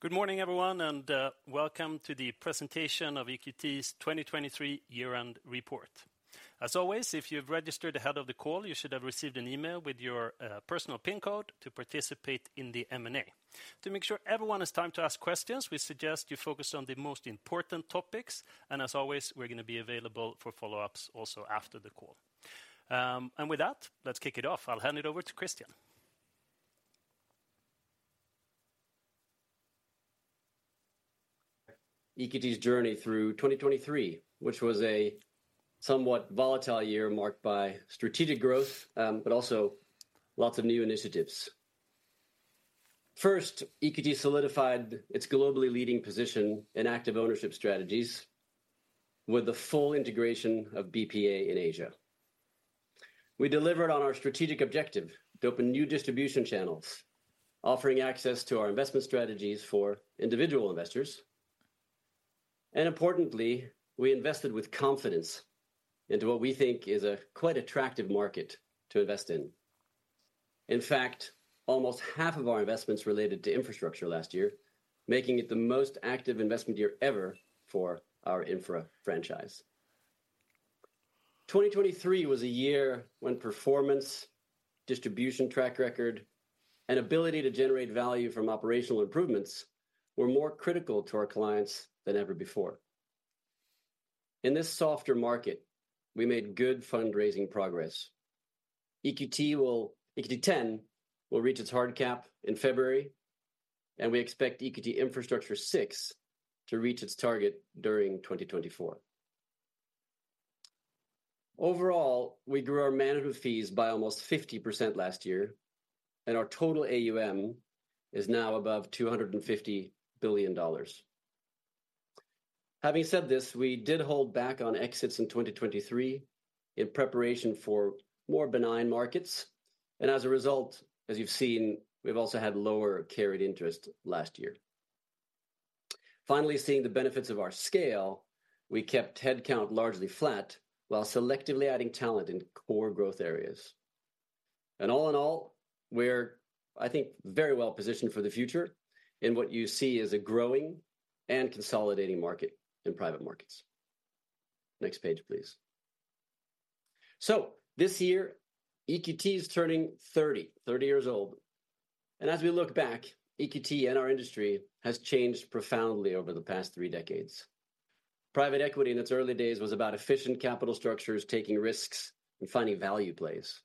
Good morning, everyone, and welcome to the presentation of EQT's 2023 year-end report. As always, if you've registered ahead of the call, you should have received an email with your personal pin code to participate in the Q&A. To make sure everyone has time to ask questions, we suggest you focus on the most important topics, and as always, we're gonna be available for follow-ups also after the call. And with that, let's kick it off. I'll hand it over to Christian. EQT's journey through 2023, which was a somewhat volatile year marked by strategic growth, but also lots of new initiatives. First, EQT solidified its globally leading position in active ownership strategies with the full integration of BPEA in Asia. We delivered on our strategic objective to open new distribution channels, offering access to our investment strategies for individual investors, and importantly, we invested with confidence into what we think is a quite attractive market to invest in. In fact, almost half of our investments related to infrastructure last year, making it the most active investment year ever for our infra franchise. 2023 was a year when performance, distribution track record, and ability to generate value from operational improvements were more critical to our clients than ever before. In this softer market, we made good fundraising progress. EQT X will reach its hard cap in February, and we expect EQT Infrastructure VI to reach its target during 2024. Overall, we grew our management fees by almost 50% last year, and our total AUM is now above $250 billion. Having said this, we did hold back on exits in 2023 in preparation for more benign markets, and as a result, as you've seen, we've also had lower carried interest last year. Finally, seeing the benefits of our scale, we kept headcount largely flat while selectively adding talent in core growth areas. And all in all, we're, I think, very well positioned for the future in what you see as a growing and consolidating market in private markets. Next page, please. So this year, EQT is turning 30, 30 years old, and as we look back, EQT and our industry has changed profoundly over the past three decades. Private equity, in its early days, was about efficient capital structures, taking risks and finding value plays.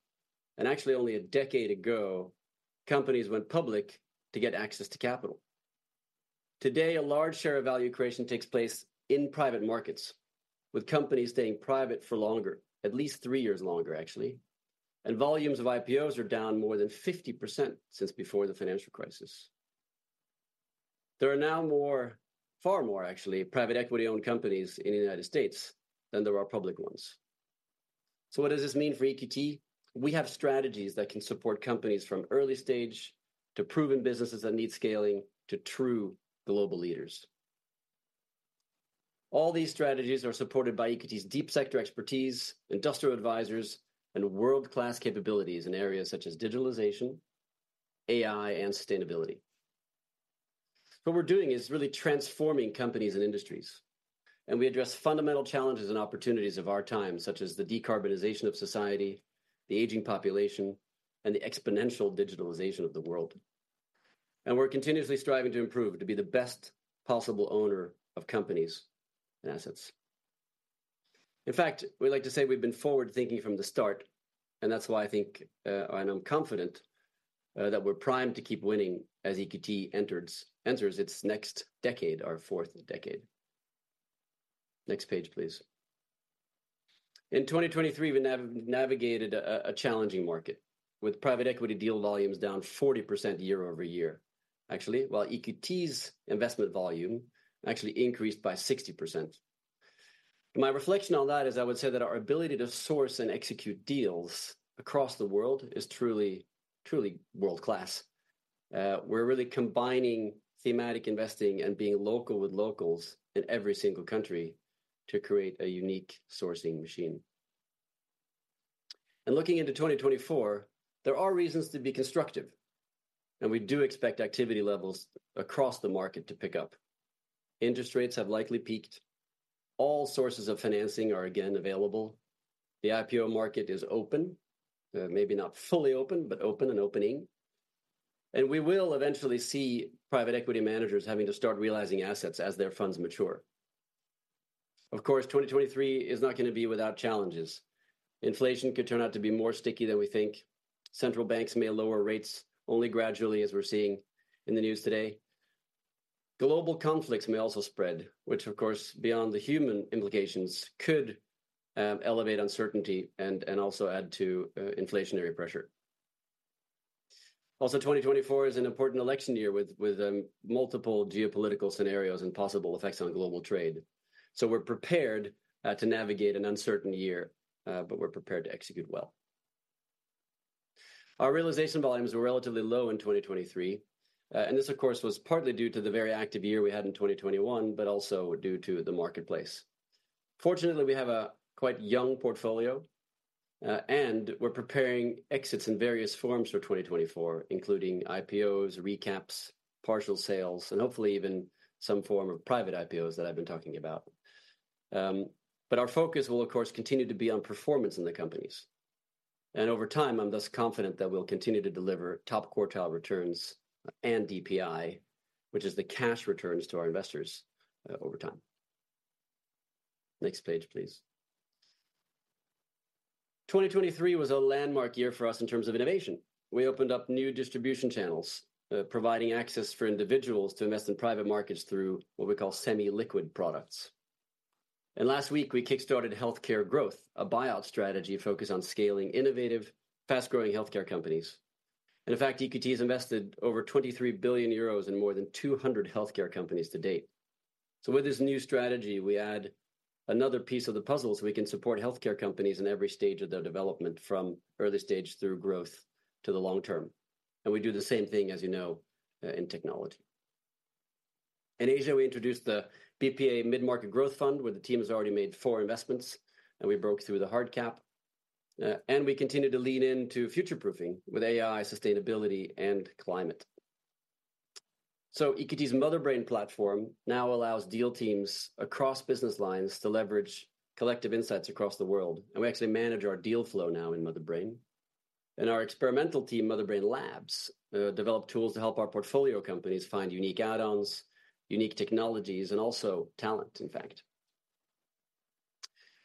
And actually, only a decade ago, companies went public to get access to capital. Today, a large share of value creation takes place in private markets, with companies staying private for longer, at least three years longer, actually, and volumes of IPOs are down more than 50% since before the financial crisis. There are now more, far more actually, private equity-owned companies in the United States than there are public ones. So what does this mean for EQT? We have strategies that can support companies from early stage to proven businesses that need scaling to true global leaders. All these strategies are supported by EQT's deep sector expertise, industrial advisors, and world-class capabilities in areas such as digitalization, AI, and sustainability. What we're doing is really transforming companies and industries, and we address fundamental challenges and opportunities of our time, such as the decarbonization of society, the aging population, and the exponential digitalization of the world. We're continuously striving to improve to be the best possible owner of companies and assets. In fact, we'd like to say we've been forward-thinking from the start, and that's why I think and I'm confident that we're primed to keep winning as EQT enters its next decade, our fourth decade. Next page, please. In 2023, we navigated a challenging market with private equity deal volumes down 40% year-over-year. Actually, while EQT's investment volume actually increased by 60%. My reflection on that is I would say that our ability to source and execute deals across the world is truly, truly world-class. We're really combining thematic investing and being local with locals in every single country to create a unique sourcing machine. And looking into 2024, there are reasons to be constructive, and we do expect activity levels across the market to pick up. Interest rates have likely peaked. All sources of financing are again available. The IPO market is open, maybe not fully open, but open and opening. And we will eventually see private equity managers having to start realizing assets as their funds mature. Of course, 2023 is not gonna be without challenges. Inflation could turn out to be more sticky than we think. Central banks may lower rates only gradually, as we're seeing in the news today. Global conflicts may also spread, which of course, beyond the human implications, could elevate uncertainty and also add to inflationary pressure. Also, 2024 is an important election year with multiple geopolitical scenarios and possible effects on global trade. So we're prepared to navigate an uncertain year, but we're prepared to execute well. Our realization volumes were relatively low in 2023, and this, of course, was partly due to the very active year we had in 2021, but also due to the marketplace. Fortunately, we have a quite young portfolio, and we're preparing exits in various forms for 2024, including IPOs, recaps, partial sales, and hopefully even some form of private IPOs that I've been talking about. But our focus will, of course, continue to be on performance in the companies. And over time, I'm thus confident that we'll continue to deliver top-quartile returns and DPI, which is the cash returns to our investors, over time. Next page, please. 2023 was a landmark year for us in terms of innovation. We opened up new distribution channels, providing access for individuals to invest in private markets through what we call semi-liquid products. And last week, we kickstarted healthcare growth, a buyout strategy focused on scaling innovative, fast-growing healthcare companies. And in fact, EQT has invested over 23 billion euros in more than 200 healthcare companies to date. So with this new strategy, we add another piece of the puzzle, so we can support healthcare companies in every stage of their development from early stage through growth to the long term, and we do the same thing, as you know, in technology. In Asia, we introduced the BPEA Mid-Market Growth Fund, where the team has already made four investments, and we broke through the hard cap, and we continued to lean into future-proofing with AI, sustainability, and climate. So EQT's Motherbrain platform now allows deal teams across business lines to leverage collective insights across the world, and we actually manage our deal flow now in Motherbrain. And our experimental team, Motherbrain Labs, developed tools to help our portfolio companies find unique add-ons, unique technologies, and also talent, in fact.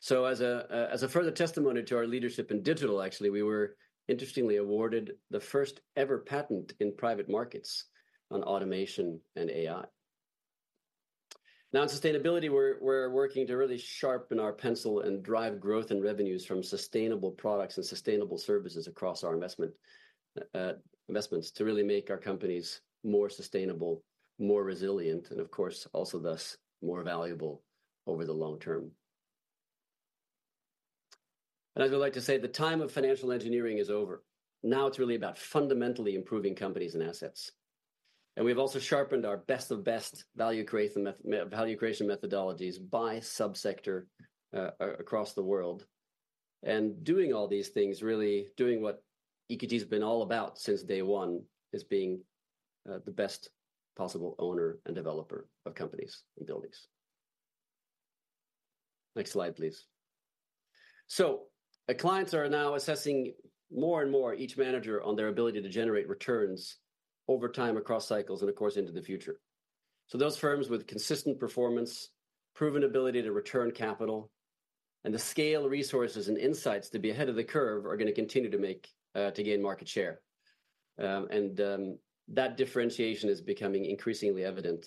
So as a further testimony to our leadership in digital, actually, we were interestingly awarded the first-ever patent in private markets on automation and AI. Now, in sustainability, we're working to really sharpen our pencil and drive growth and revenues from sustainable products and sustainable services across our investments, to really make our companies more sustainable, more resilient, and of course, also thus, more valuable over the long term. And I would like to say the time of financial engineering is over. Now it's really about fundamentally improving companies and assets, and we've also sharpened our best of best value creation value creation methodologies by subsector, across the world. And doing all these things, really doing what EQT has been all about since day one, is being the best possible owner and developer of companies and buildings. Next slide, please. So our clients are now assessing more and more each manager on their ability to generate returns over time, across cycles, and of course, into the future. So those firms with consistent performance, proven ability to return capital, and the scale, resources, and insights to be ahead of the curve are gonna continue to gain market share. That differentiation is becoming increasingly evident,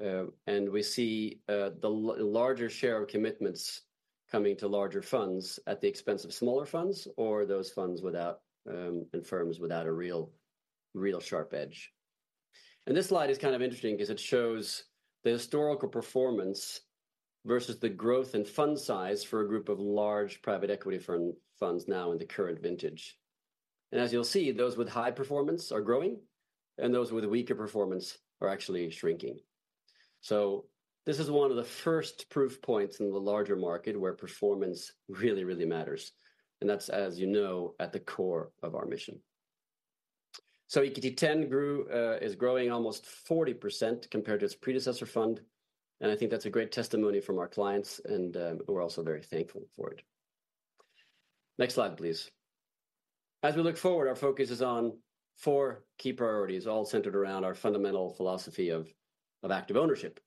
and we see the larger share of commitments coming to larger funds at the expense of smaller funds or those funds without and firms without a real, real sharp edge. This slide is kind of interesting because it shows the historical performance versus the growth and fund size for a group of large private equity firms funds now in the current vintage. As you'll see, those with high performance are growing, and those with weaker performance are actually shrinking. So this is one of the first proof points in the larger market where performance really, really matters, and that's, as you know, at the core of our mission. So EQT X grew, is growing almost 40% compared to its predecessor fund, and I think that's a great testimony from our clients and, we're also very thankful for it. Next slide, please. As we look forward, our focus is on four key priorities, all centered around our fundamental philosophy of, of active ownership.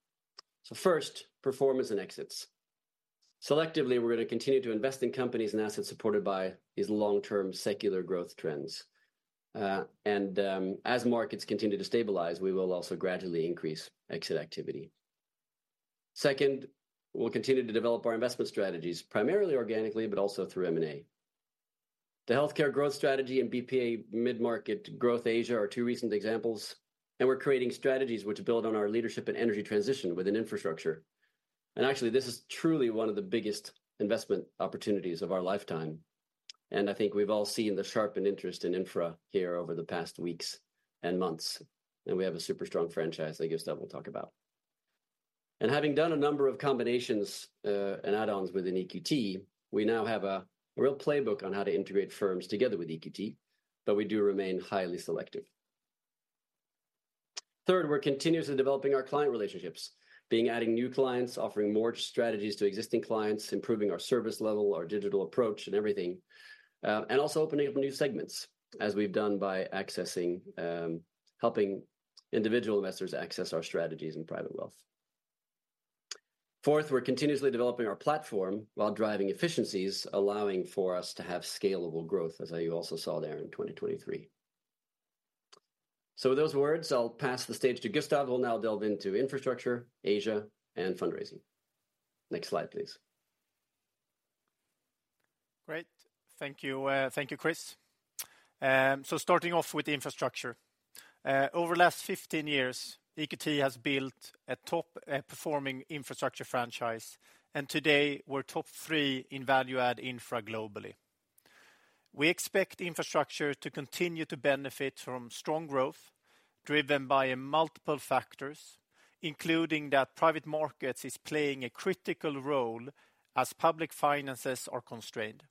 So first, performance and exits. Selectively, we're gonna continue to invest in companies and assets supported by these long-term secular growth trends. And, as markets continue to stabilize, we will also gradually increase exit activity. Second, we'll continue to develop our investment strategies, primarily organically, but also through M&A. The healthcare growth strategy and BPEA Mid-Market Growth Asia are two recent examples, and we're creating strategies which build on our leadership and energy transition within infrastructure. And actually, this is truly one of the biggest investment opportunities of our lifetime, and I think we've all seen the sharpened interest in infra here over the past weeks and months, and we have a super strong franchise that Gustav will talk about. And having done a number of combinations and add-ons within EQT, we now have a real playbook on how to integrate firms together with EQT, but we do remain highly selective. Third, we're continuously developing our client relationships, being adding new clients, offering more strategies to existing clients, improving our service level, our digital approach and everything, and also opening up new segments, as we've done by accessing, helping individual investors access our strategies in private wealth. Fourth, we're continuously developing our platform while driving efficiencies, allowing for us to have scalable growth, as you also saw there in 2023. So with those words, I'll pass the stage to Gustav, who will now delve into infrastructure, Asia, and fundraising. Next slide, please. Great. Thank you, thank you, Chris. So starting off with infrastructure. Over the last 15 years, EQT has built a top performing infrastructure franchise, and today we're top three in value add infra globally. We expect infrastructure to continue to benefit from strong growth, driven by multiple factors, including that private markets is playing a critical role as public finances are constrained.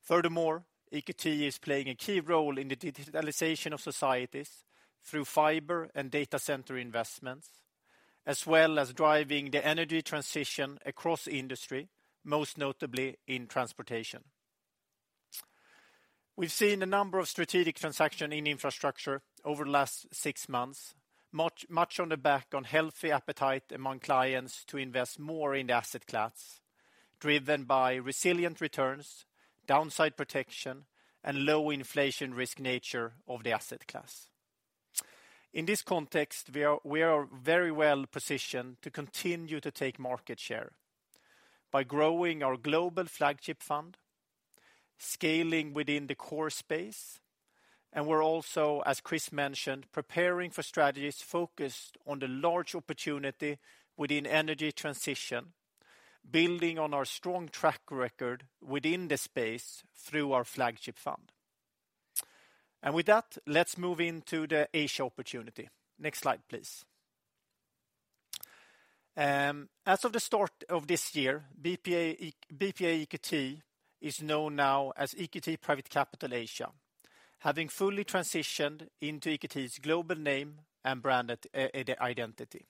Furthermore, EQT is playing a key role in the digitalization of societies through fiber and data center investments, as well as driving the energy transition across industry, most notably in transportation. We've seen a number of strategic transactions in infrastructure over the last six months, much on the back of healthy appetite among clients to invest more in the asset class, driven by resilient returns, downside protection, and low inflation risk nature of the asset class. In this context, we are very well positioned to continue to take market share by growing our global flagship fund, scaling within the core space, and we're also, as Chris mentioned, preparing for strategies focused on the large opportunity within energy transition, building on our strong track record within the space through our flagship fund. With that, let's move into the Asia opportunity. Next slide, please. As of the start of this year, BPEA EQT is known now as EQT Private Capital Asia, having fully transitioned into EQT's global name and branded identity.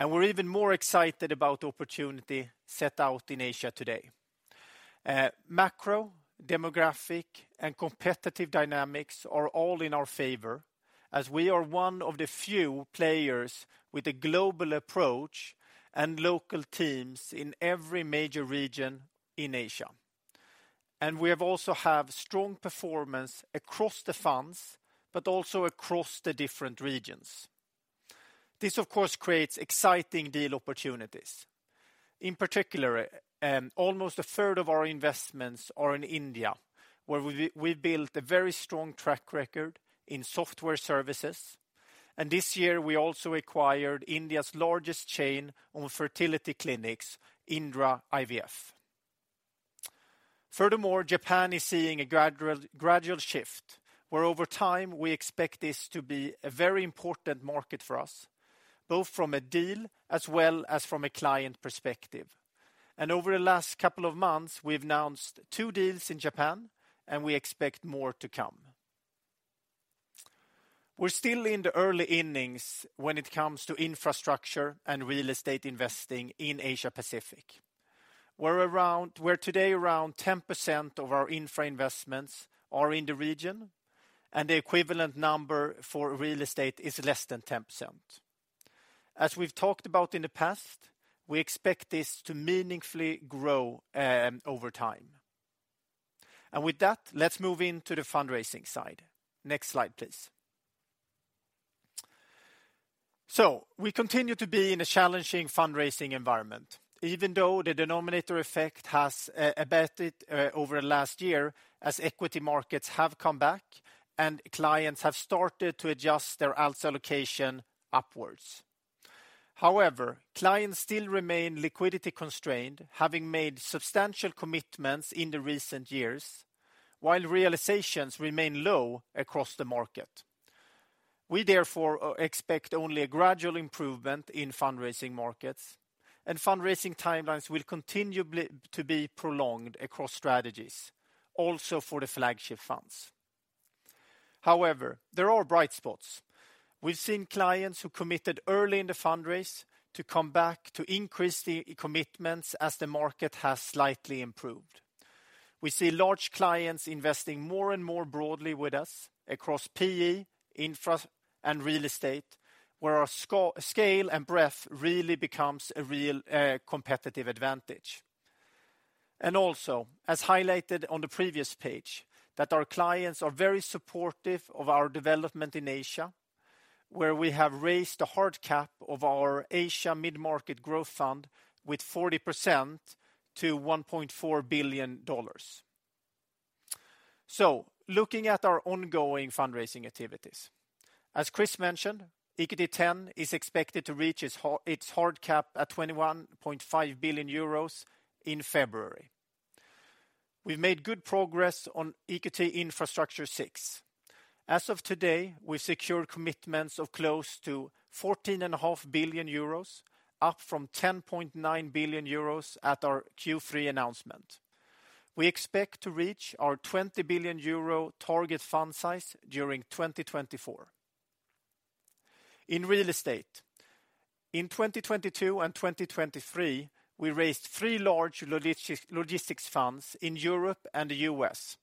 We're even more excited about the opportunity set out in Asia today. Macro, demographic, and competitive dynamics are all in our favor, as we are one of the few players with a global approach and local teams in every major region in Asia. And we have also have strong performance across the funds, but also across the different regions. This, of course, creates exciting deal opportunities. In particular, almost a third of our investments are in India, where we, we've built a very strong track record in software services, and this year, we also acquired India's largest chain of fertility clinics, Indira IVF. Furthermore, Japan is seeing a gradual shift, where over time, we expect this to be a very important market for us, both from a deal as well as from a client perspective. And over the last couple of months, we've announced two deals in Japan, and we expect more to come. We're still in the early innings when it comes to infrastructure and real estate investing in Asia Pacific. We're today around 10% of our infra investments are in the region, and the equivalent number for real estate is less than 10%. As we've talked about in the past, we expect this to meaningfully grow over time. And with that, let's move into the fundraising side. Next slide, please. So we continue to be in a challenging fundraising environment, even though the denominator effect has abated over the last year as equity markets have come back and clients have started to adjust their alts allocation upwards. However, clients still remain liquidity constrained, having made substantial commitments in the recent years, while realizations remain low across the market. We therefore expect only a gradual improvement in fundraising markets, and fundraising timelines will continue to be prolonged across strategies, also for the flagship funds. However, there are bright spots. We've seen clients who committed early in the fundraise to come back to increase the commitments as the market has slightly improved. We see large clients investing more and more broadly with us across PE, infra, and real estate, where our scale and breadth really becomes a real competitive advantage. Also, as highlighted on the previous page, that our clients are very supportive of our development in Asia, where we have raised the hard cap of our Asia mid-market growth fund with 40% to $1.4 billion. So looking at our ongoing fundraising activities, as Chris mentioned, EQT X is expected to reach its hard cap at 21.5 billion euros in February. We've made good progress on EQT Infrastructure VI. As of today, we've secured commitments of close to 14.5 billion euros, up from 10.9 billion euros at our Q3 announcement. We expect to reach our 20 billion euro target fund size during 2024. In real estate, in 2022 and 2023, we raised three large logistics funds in Europe and the U.S.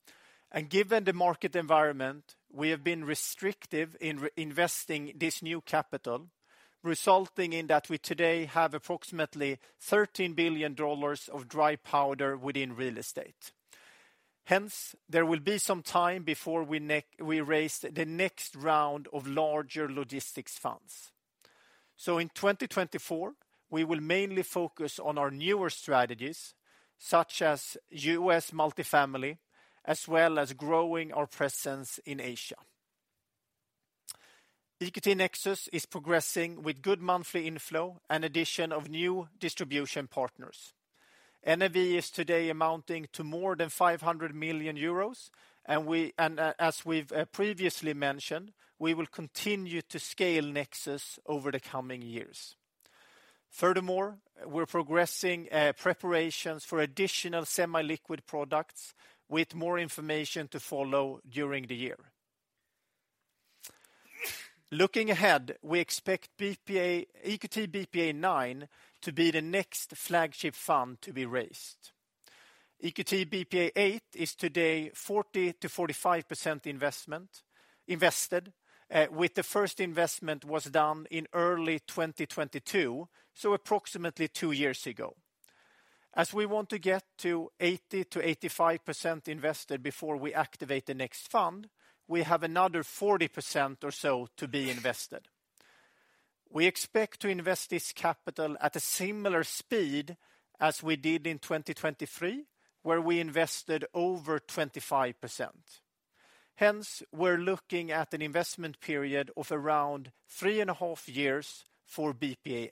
Given the market environment, we have been restrictive in re-investing this new capital, resulting in that we today have approximately $13 billion of dry powder within real estate. Hence, there will be some time before we raise the next round of larger logistics funds. So in 2024, we will mainly focus on our newer strategies, such as U.S. multifamily, as well as growing our presence in Asia.... EQT Nexus is progressing with good monthly inflow and addition of new distribution partners. NAV is today amounting to more than 500 million euros, and as we've previously mentioned, we will continue to scale Nexus over the coming years. Furthermore, we're progressing preparations for additional semi-liquid products with more information to follow during the year. Looking ahead, we expect BPEA, EQT BPEA IX to be the next flagship fund to be raised. EQT BPEA VIII is today 40%-45% invested, with the first investment done in early 2022, so approximately two years ago. As we want to get to 80%-85% invested before we activate the next fund, we have another 40% or so to be invested. We expect to invest this capital at a similar speed as we did in 2023, where we invested over 25%. Hence, we're looking at an investment period of around three and a half years for BPEA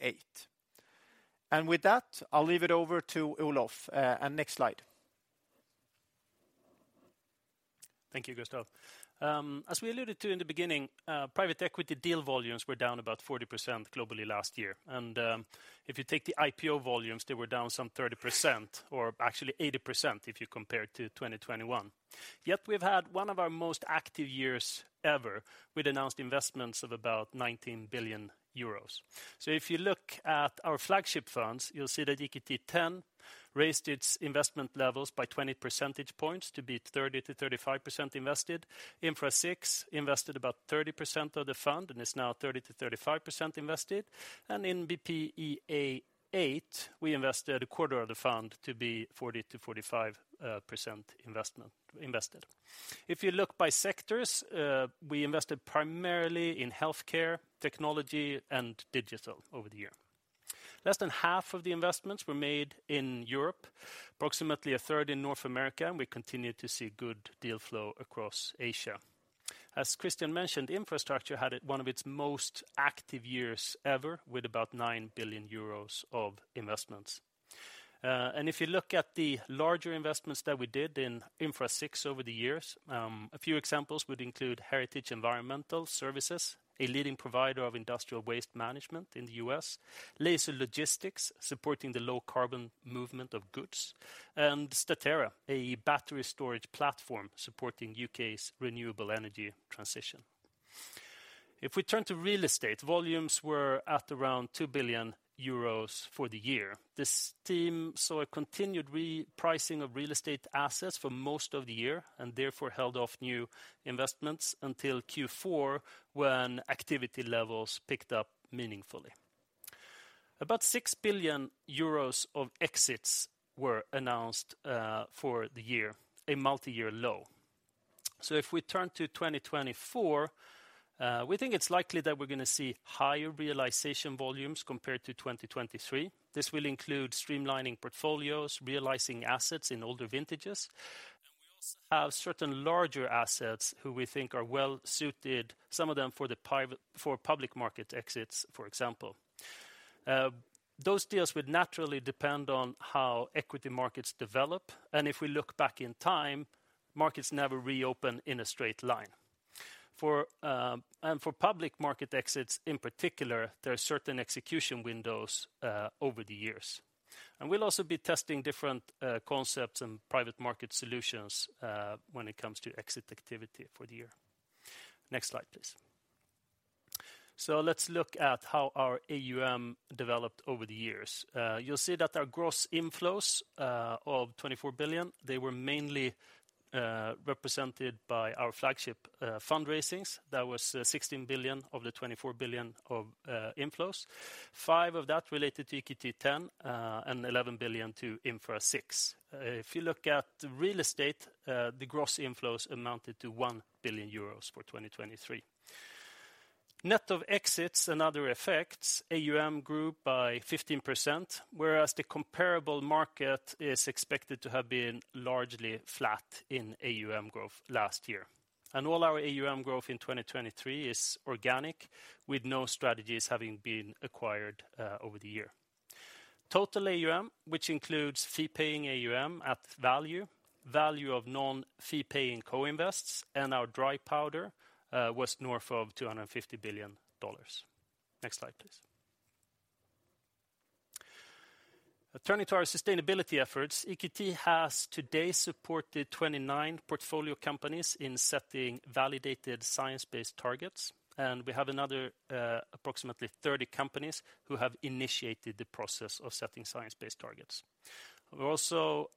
VIII. With that, I'll leave it over to Olof. Next slide. Thank you, Gustav. As we alluded to in the beginning, private equity deal volumes were down about 40% globally last year, and if you take the IPO volumes, they were down some 30%, or actually 80% if you compare it to 2021. Yet we've had one of our most active years ever with announced investments of about 19 billion euros. So if you look at our flagship funds, you'll see that EQT X raised its investment levels by 20 percentage points to be 30%-35% invested. Infra VI invested about 30% of the fund and is now 30%-35% invested. And in BPEA VIII, we invested 25% of the fund to be 40%-45% invested. If you look by sectors, we invested primarily in healthcare, technology, and digital over the year. Less than half of the investments were made in Europe, approximately a third in North America, and we continued to see good deal flow across Asia. As Christian mentioned, infrastructure had one of its most active years ever, with about 9 billion euros of investments. And if you look at the larger investments that we did in Infra VI over the years, a few examples would include Heritage Environmental Services, a leading provider of industrial waste management in the U.S., Lazer Logistics, supporting the low carbon movement of goods, and Statera, a battery storage platform supporting U.K.'s renewable energy transition. If we turn to real estate, volumes were at around 2 billion euros for the year. This team saw a continued repricing of real estate assets for most of the year, and therefore held off new investments until Q4, when activity levels picked up meaningfully. About 6 billion euros of exits were announced for the year, a multiyear low. So if we turn to 2024, we think it's likely that we're gonna see higher realization volumes compared to 2023. This will include streamlining portfolios, realizing assets in older vintages, and we also have certain larger assets who we think are well suited, some of them for public market exits, for example. Those deals would naturally depend on how equity markets develop, and if we look back in time, markets never reopen in a straight line. For, and for public market exits, in particular, there are certain execution windows over the years. And we'll also be testing different concepts and private market solutions when it comes to exit activity for the year. Next slide, please. So let's look at how our AUM developed over the years. You'll see that our gross inflows of 24 billion, they were mainly represented by our flagship fundraisings. That was 16 billion of the 24 billion of inflows. Five of that related to EQT X, and 11 billion to Infra VI. If you look at real estate, the gross inflows amounted to 1 billion euros for 2023. Net of exits and other effects, AUM grew by 15%, whereas the comparable market is expected to have been largely flat in AUM growth last year. All our AUM growth in 2023 is organic, with no strategies having been acquired over the year. Total AUM, which includes fee-paying AUM at value, value of non-fee paying co-invests, and our dry powder, was north of $250 billion. Next slide, please. Turning to our sustainability efforts, EQT has today supported 29 portfolio companies in setting validated Science-Based Targets, and we have another, approximately 30 companies who have initiated the process of setting Science-Based Targets. We also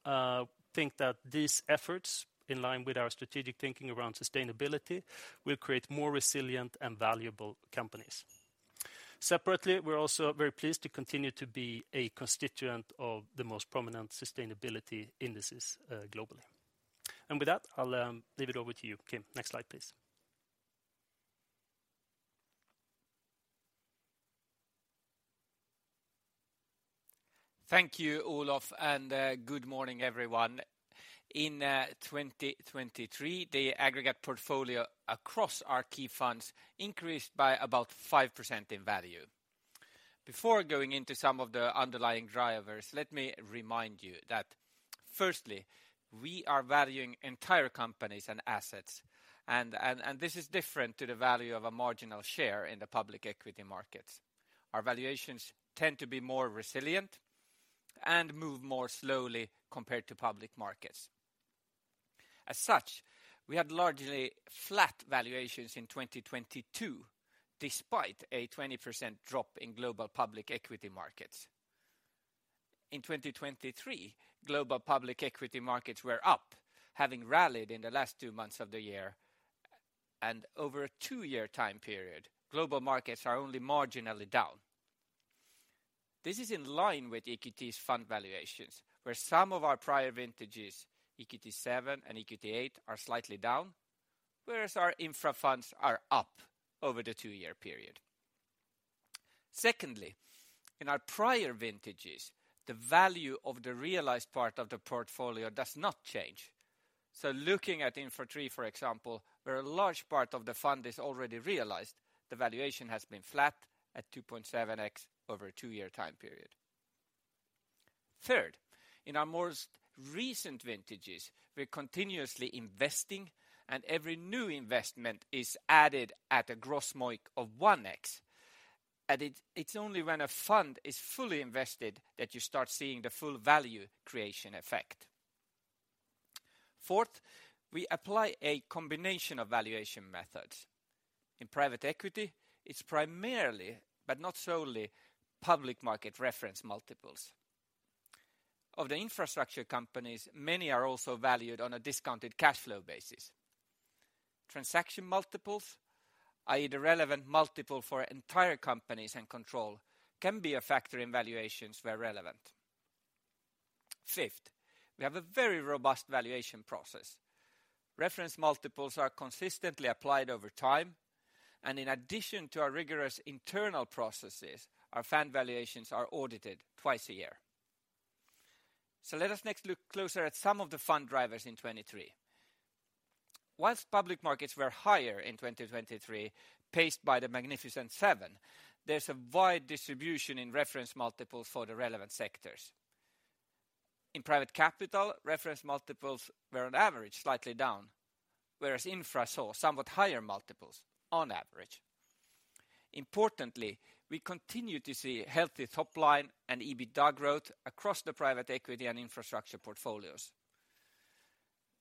think that these efforts, in line with our strategic thinking around sustainability, will create more resilient and valuable companies. Separately, we're also very pleased to continue to be a constituent of the most prominent sustainability indices, globally. And with that, I'll leave it over to you, Kim. Next slide, please. Thank you, Olof, and good morning, everyone. In 2023, the aggregate portfolio across our key funds increased by about 5% in value. Before going into some of the underlying drivers, let me remind you that firstly, we are valuing entire companies and assets, and this is different to the value of a marginal share in the public equity markets. Our valuations tend to be more resilient and move more slowly compared to public markets. As such, we had largely flat valuations in 2022, despite a 20% drop in global public equity markets. In 2023, global public equity markets were up, having rallied in the last two months of the year, and over a two-year time period, global markets are only marginally down. This is in line with EQT's fund valuations, where some of our prior vintages, EQT VII and EQT VIII, are slightly down, whereas our Infra funds are up over the two-year period. Secondly, in our prior vintages, the value of the realized part of the portfolio does not change. So looking at Infra III, for example, where a large part of the fund is already realized, the valuation has been flat at 2.7x over a two-year time period. Third, in our most recent vintages, we're continuously investing, and every new investment is added at a gross MOIC of 1x, and it, it's only when a fund is fully invested that you start seeing the full value creation effect. Fourth, we apply a combination of valuation methods. In private equity, it's primarily, but not solely, public market reference multiples. Of the infrastructure companies, many are also valued on a discounted cash flow basis. Transaction multiples, i.e., the relevant multiple for entire companies and control, can be a factor in valuations where relevant. Fifth, we have a very robust valuation process. Reference multiples are consistently applied over time, and in addition to our rigorous internal processes, our fund valuations are audited twice a year. So let us next look closer at some of the fund drivers in 2023. While public markets were higher in 2023, paced by The Magnificent 7, there's a wide distribution in reference multiples for the relevant sectors. In private capital, reference multiples were on average, slightly down, whereas Infra saw somewhat higher multiples on average. Importantly, we continue to see healthy top line and EBITDA growth across the private equity and infrastructure portfolios.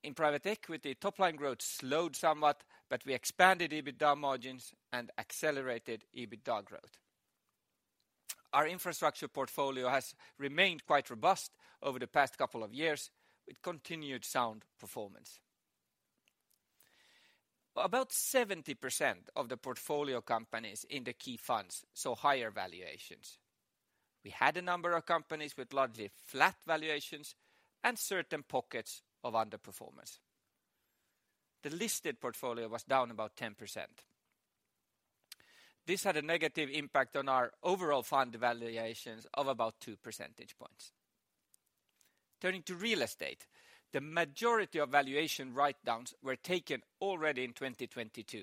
In private equity, top-line growth slowed somewhat, but we expanded EBITDA margins and accelerated EBITDA growth. Our infrastructure portfolio has remained quite robust over the past couple of years, with continued sound performance. About 70% of the portfolio companies in the key funds saw higher valuations. We had a number of companies with largely flat valuations and certain pockets of underperformance. The listed portfolio was down about 10%. This had a negative impact on our overall fund valuations of about 2 percentage points. Turning to real estate, the majority of valuation write-downs were taken already in 2022.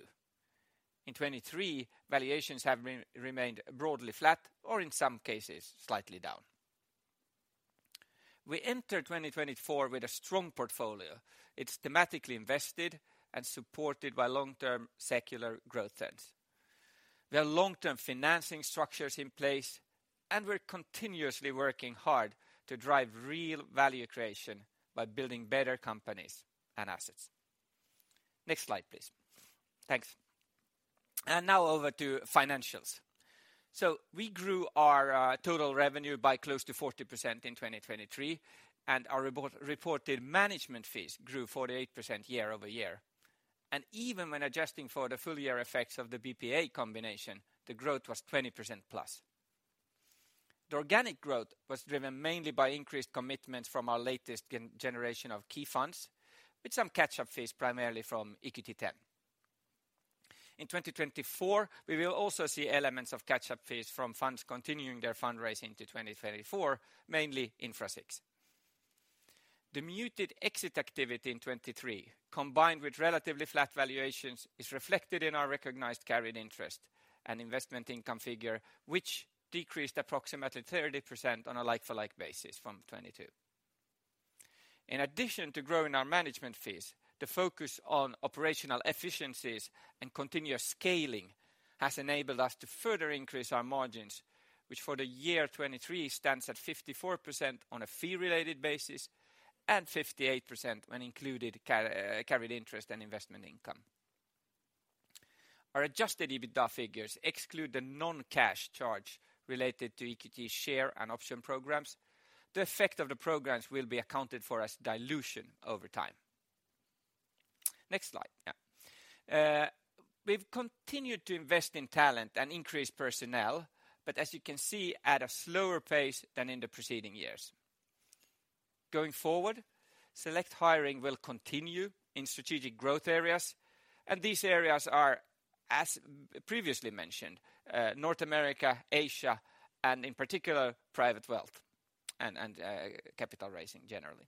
In 2023, valuations have remained broadly flat or in some cases, slightly down. We enter 2024 with a strong portfolio. It's thematically invested and supported by long-term secular growth trends. There are long-term financing structures in place, and we're continuously working hard to drive real value creation by building better companies and assets. Next slide, please. Thanks. Now over to financials. So we grew our total revenue by close to 40% in 2023, and our reported management fees grew 48% year-over-year. Even when adjusting for the full year effects of the BPEA combination, the growth was 20%+. The organic growth was driven mainly by increased commitments from our latest generation of key funds, with some catch-up fees, primarily from EQT X. In 2024, we will also see elements of catch-up fees from funds continuing their fundraising to 2034, mainly Infra VI. The muted exit activity in 2023, combined with relatively flat valuations, is reflected in our recognized carried interest and investment income figure, which decreased approximately 30% on a like-for-like basis from 2022. In addition to growing our management fees, the focus on operational efficiencies and continuous scaling has enabled us to further increase our margins, which for the year 2023 stands at 54% on a fee-related basis and 58% when including carried interest and investment income. Our adjusted EBITDA figures exclude the non-cash charge related to EQT share and option programs. The effect of the programs will be accounted for as dilution over time. Next slide. Yeah. We've continued to invest in talent and increase personnel, but as you can see, at a slower pace than in the preceding years.... Going forward, select hiring will continue in strategic growth areas, and these areas are, as previously mentioned, North America, Asia, and in particular, private wealth and capital raising generally.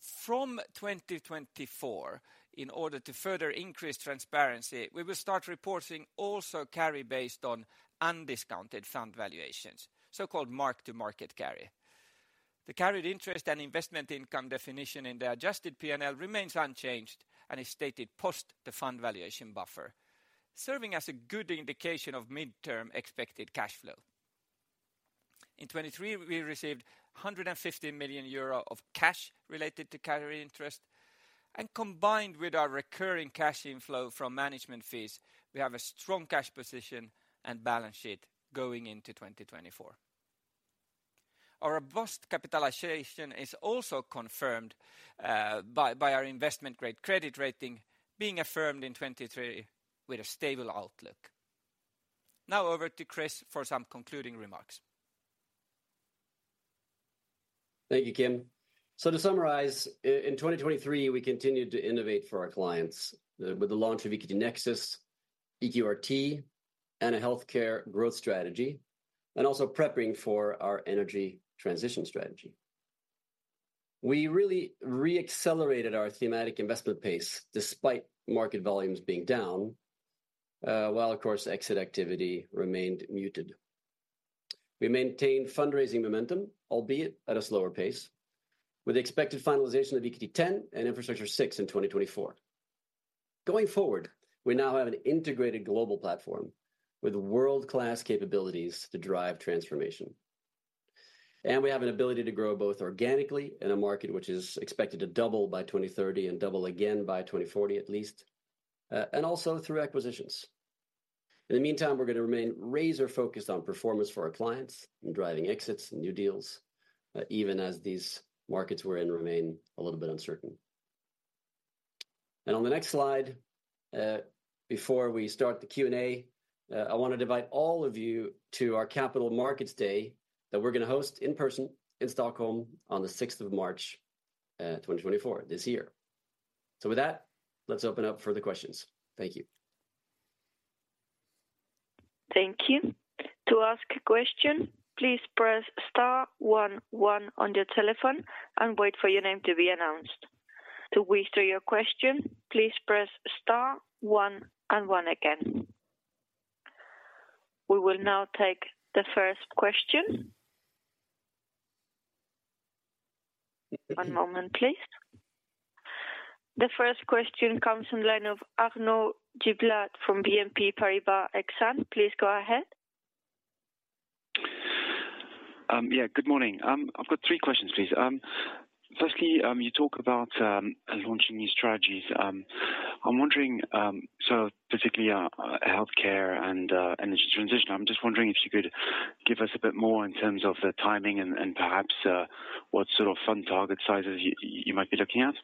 From 2024, in order to further increase transparency, we will start reporting also carry based on undiscounted fund valuations, so-called mark-to-market carry. The carried interest and investment income definition in the adjusted P&L remains unchanged and is stated post the fund valuation buffer, serving as a good indication of mid-term expected cash flow. In 2023, we received 150 million euro of cash related to carry interest, and combined with our recurring cash inflow from management fees, we have a strong cash position and balance sheet going into 2024. Our robust capitalization is also confirmed by our investment grade credit rating being affirmed in 2023 with a stable outlook. Now over to Chris for some concluding remarks. Thank you, Kim. So to summarize, in 2023, we continued to innovate for our clients, with the launch of EQT Nexus, EQRT, and a healthcare growth strategy, and also prepping for our energy transition strategy. We really re-accelerated our thematic investment pace despite market volumes being down, while of course, exit activity remained muted. We maintained fundraising momentum, albeit at a slower pace, with the expected finalization of EQT X and Infrastructure VI in 2024. Going forward, we now have an integrated global platform with world-class capabilities to drive transformation. And we have an ability to grow both organically in a market which is expected to double by 2030 and double again by 2040, at least, and also through acquisitions. In the meantime, we're gonna remain razor-focused on performance for our clients and driving exits and new deals, even as these markets we're in remain a little bit uncertain. On the next slide, before we start the Q&A, I want to invite all of you to our Capital Markets Day that we're gonna host in person in Stockholm on the sixth of March 2024, this year. With that, let's open up for the questions. Thank you. Thank you. To ask a question, please press star one one on your telephone and wait for your name to be announced. To withdraw your question, please press star one and one again. We will now take the first question. One moment, please. The first question comes from line of Arnaud Giblat from BNP Paribas Exane. Please go ahead. Yeah, good morning. I've got three questions, please. Firstly, you talk about launching new strategies. I'm wondering, so particularly, healthcare and energy transition. I'm just wondering if you could give us a bit more in terms of the timing and perhaps what sort of fund target sizes you might be looking at.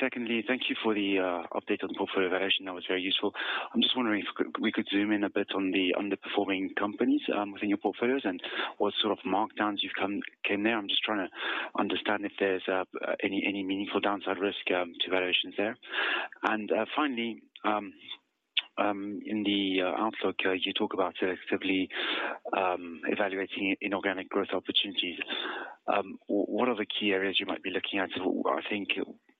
Secondly, thank you for the update on the portfolio evaluation. That was very useful. I'm just wondering if we could zoom in a bit on the underperforming companies within your portfolios and what sort of markdowns you've come there. I'm just trying to understand if there's any meaningful downside risk to valuations there. Finally, in the outlook, you talk about actively evaluating inorganic growth opportunities. What are the key areas you might be looking at? I think...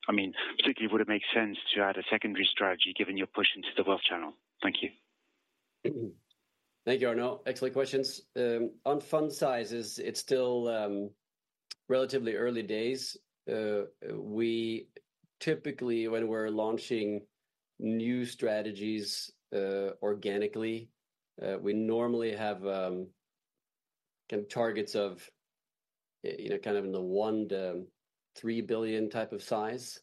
I mean, particularly, would it make sense to add a secondary strategy given your push into the wealth channel? Thank you. Thank you, Arnaud. Excellent questions. On fund sizes, it's still relatively early days. We typically, when we're launching new strategies organically, we normally have targets of, you know, kind of in the 1 billion-3 billion type of size.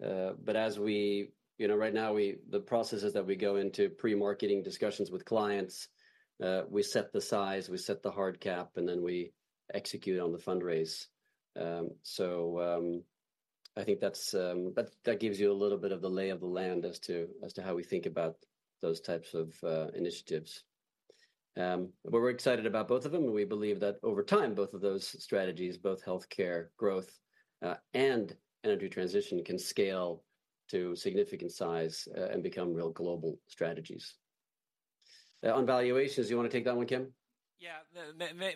But as we-- You know, right now, we-- the processes that we go into pre-marketing discussions with clients, we set the size, we set the hard cap, and then we execute on the fundraise. So, I think that's that gives you a little bit of the lay of the land as to how we think about those types of initiatives. But we're excited about both of them, and we believe that over time, both of those strategies, both healthcare, growth, and energy transition, can scale to significant size, and become real global strategies. On valuations, you want to take that one, Kim? Yeah.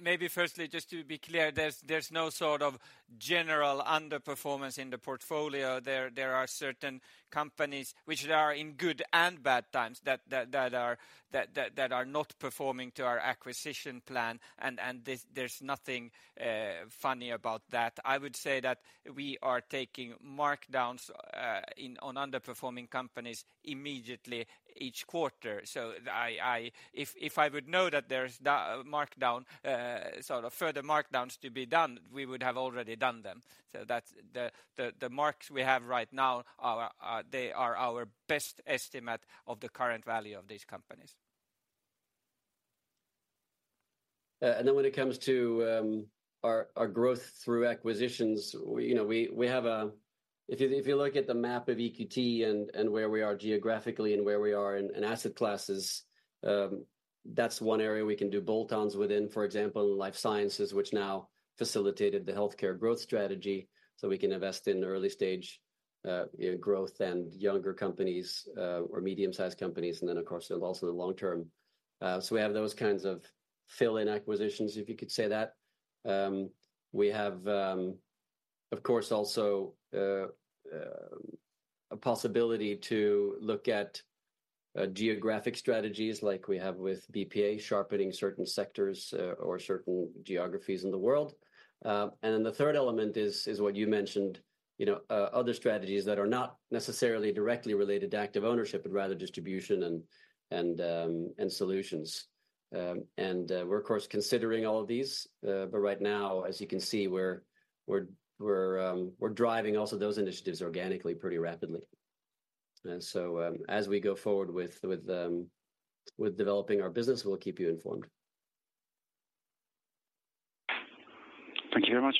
Maybe firstly, just to be clear, there's no sort of general underperformance in the portfolio. There are certain companies which are in good and bad times, that are not performing to our acquisition plan, and there's nothing funny about that. I would say that we are taking markdowns on underperforming companies immediately each quarter. If I would know that there's a markdown, sort of further markdowns to be done, we would have already done them. So that's the marks we have right now are they are our best estimate of the current value of these companies. And then when it comes to our growth through acquisitions, you know, we have. If you look at the map of EQT and where we are geographically and where we are in asset classes, that's one area we can do bolt-ons within, for example, life sciences, which now facilitated the healthcare growth strategy. So we can invest in early stage growth and younger companies or medium-sized companies, and then, of course, there's also the long term. So we have those kinds of fill-in acquisitions, if you could say that. We have, of course, also a possibility to look at geographic strategies like we have with BPEA, sharpening certain sectors or certain geographies in the world. And then the third element is what you mentioned, you know, other strategies that are not necessarily directly related to active ownership, but rather distribution and solutions. We're, of course, considering all of these, but right now, as you can see, we're driving also those initiatives organically, pretty rapidly. And so, as we go forward with developing our business, we'll keep you informed. Thank you very much.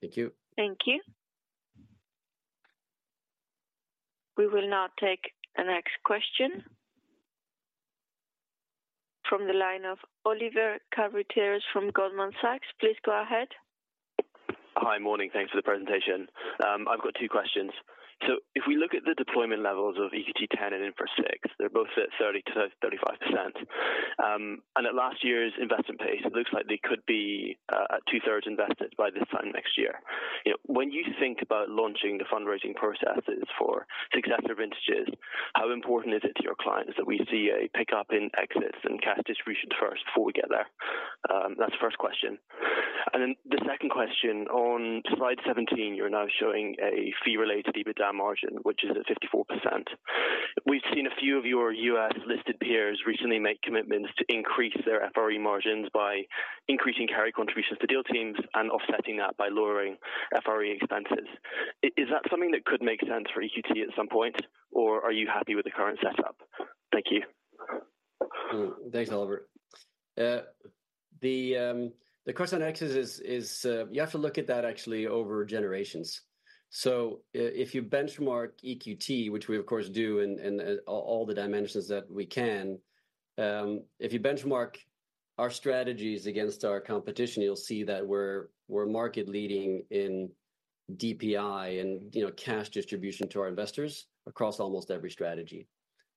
Thank you. Thank you. We will now take the next question from the line of Oliver Carruthers from Goldman Sachs. Please go ahead. Hi, morning. Thanks for the presentation. I've got two questions. So if we look at the deployment levels of EQT X and Infra VI, they're both at 30%-35%. And at last year's investment pace, it looks like they could be at two-thirds invested by this time next year. You know, when you think about launching the fundraising processes for successive vintages, how important is it to your clients that we see a pickup in exits and cash distributions first before we get there? That's the first question. And then the second question, on slide 17, you're now showing a fee-related EBITDA margin, which is at 54%. We've seen a few of your U.S.-listed peers recently make commitments to increase their FRE margins by increasing carry contributions to deal teams and offsetting that by lowering FRE expenses. Is that something that could make sense for EQT at some point, or are you happy with the current setup? Thank you. Thanks, Oliver. The question on exits is, you have to look at that actually over generations. So if you benchmark EQT, which we, of course, do, in all the dimensions that we can, if you benchmark our strategies against our competition, you'll see that we're market leading in DPI and, you know, cash distribution to our investors across almost every strategy.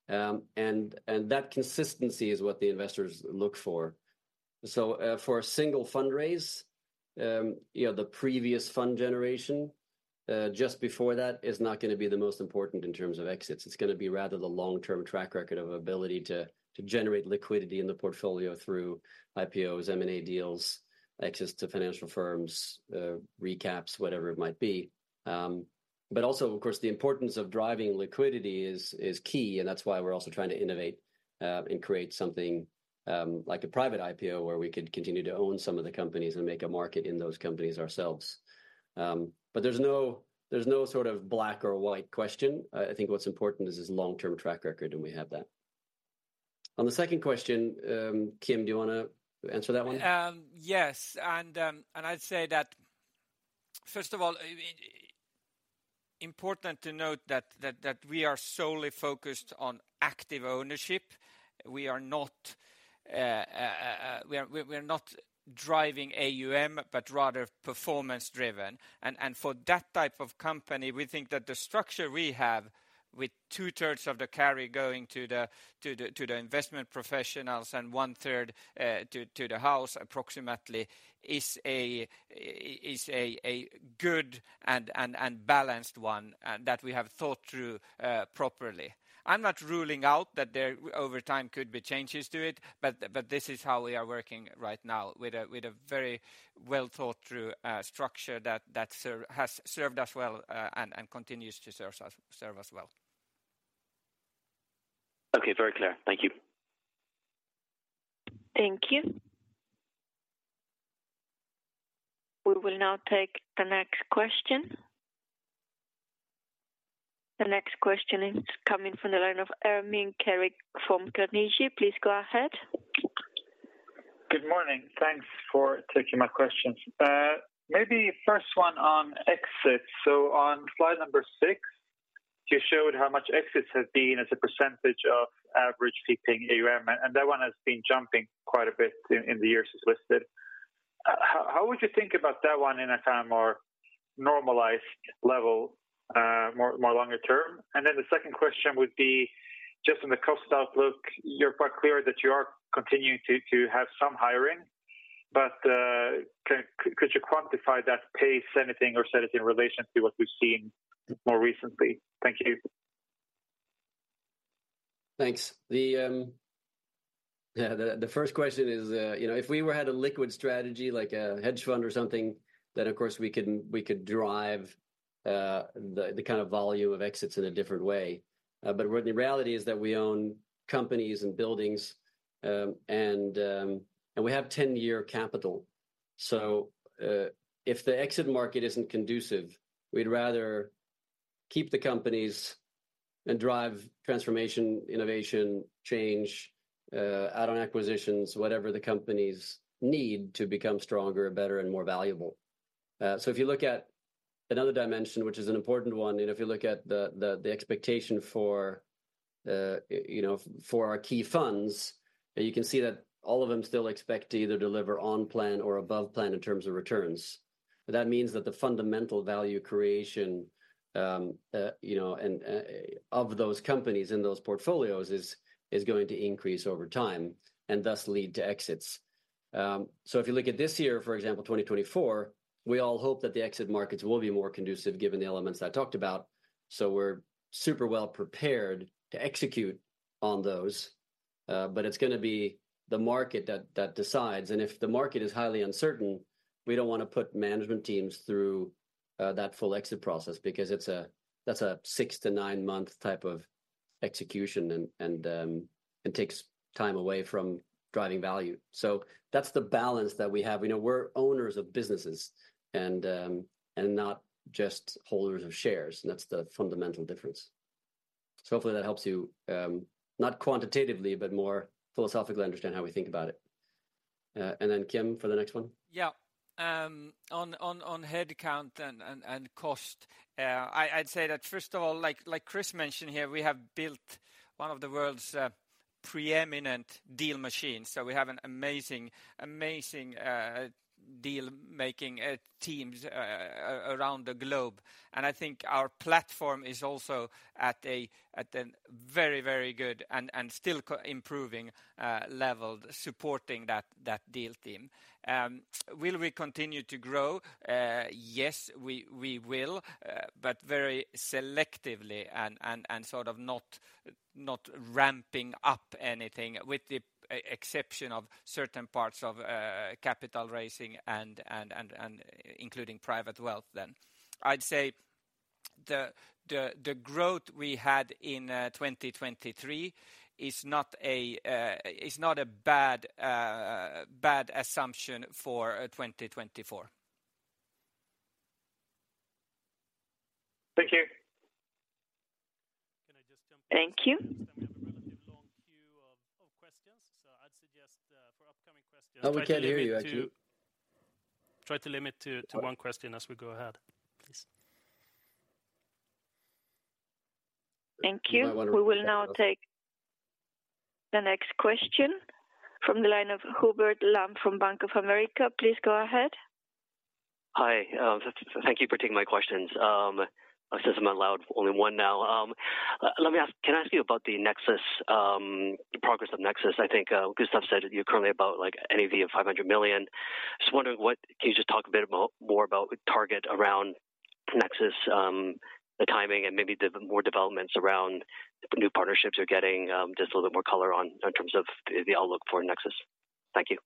And that consistency is what the investors look for. So, for a single fundraise, you know, the previous fund generation, just before that, is not gonna be the most important in terms of exits. It's gonna be rather the long-term track record of ability to generate liquidity in the portfolio through IPOs, M&A deals, exits to financial firms, recaps, whatever it might be. But also, of course, the importance of driving liquidity is, is key, and that's why we're also trying to innovate, and create something, like a private IPO, where we could continue to own some of the companies and make a market in those companies ourselves. But there's no, there's no sort of black or white question. I, I think what's important is this long-term track record, and we have that. On the second question, Kim, do you wanna answer that one? Yes, and I'd say that, first of all, important to note that we are solely focused on Active Ownership. We are not, we are, we're not driving AUM, but rather performance driven. And for that type of company, we think that the structure we have, with two-thirds of the carry going to the investment professionals and one-third to the house, approximately, is a good and balanced one, that we have thought through properly. I'm not ruling out that there over time could be changes to it, but this is how we are working right now, with a very well thought through structure that has served us well, and continues to serve us well. Okay, very clear. Thank you. Thank you. We will now take the next question. The next question is coming from the line of Ermin Keric from Carnegie. Please go ahead. Good morning. Thanks for taking my questions. Maybe first one on exits. So on slide number 6, you showed how much exits have been as a percentage of average fee-paying AUM, and that one has been jumping quite a bit in the years as listed. How would you think about that one in a kind of more normalized level, more longer term? And then the second question would be, just on the cost outlook, you're quite clear that you are continuing to have some hiring, but could you quantify that pace, anything, or set it in relation to what we've seen more recently? Thank you. Thanks. The first question is, you know, if we had a liquid strategy, like a hedge fund or something, then, of course, we could drive the kind of volume of exits in a different way. But what the reality is that we own companies and buildings, and we have 10-year capital. So, if the exit market isn't conducive, we'd rather keep the companies and drive transformation, innovation, change, add-on acquisitions, whatever the companies need to become stronger, better, and more valuable. So if you look at another dimension, which is an important one, and if you look at the expectation for, you know, for our key funds, you can see that all of them still expect to either deliver on plan or above plan in terms of returns. That means that the fundamental value creation, you know, of those companies in those portfolios is going to increase over time and thus lead to exits. So if you look at this year, for example, 2024, we all hope that the exit markets will be more conducive given the elements I talked about. So we're super well prepared to execute on those, but it's gonna be the market that decides. And if the market is highly uncertain, we don't wanna put management teams through that full exit process, because it's a—that's a 6- to 9-month type of execution, and it takes time away from driving value. So that's the balance that we have. You know, we're owners of businesses and not just holders of shares, and that's the fundamental difference. So hopefully that helps you, not quantitatively, but more philosophically understand how we think about it. And then Kim, for the next one. Yeah. On head count and cost, I'd say that first of all, like Chris mentioned here, we have built one of the world's preeminent deal machines. So we have an amazing deal-making teams around the globe. And I think our platform is also at a very good and still improving level, supporting that deal team. Will we continue to grow? Yes, we will, but very selectively and sort of not ramping up anything, with the exception of certain parts of capital raising and including private wealth then. I'd say the growth we had in 2023 is not a bad assumption for 2024. Thank you. Can I just jump in? Thank you. We have a relatively long queue of questions, so I'd suggest for upcoming questions- No, we can't hear you, actually. Try to limit to one question as we go ahead, please. Thank you. We will now take the next question from the line of Hubert Lam from Bank of America. Please go ahead. Hi, thank you for taking my questions. Since I'm allowed only one now, let me ask... Can I ask you about the Nexus, the progress of Nexus? I think Gustav said you're currently about, like, NAV of 500 million. Just wondering what, can you just talk a bit about, more about the target around Nexus, the timing, and maybe the more developments around the new partnerships you're getting, just a little bit more color on, in terms of the outlook for Nexus. Thank you.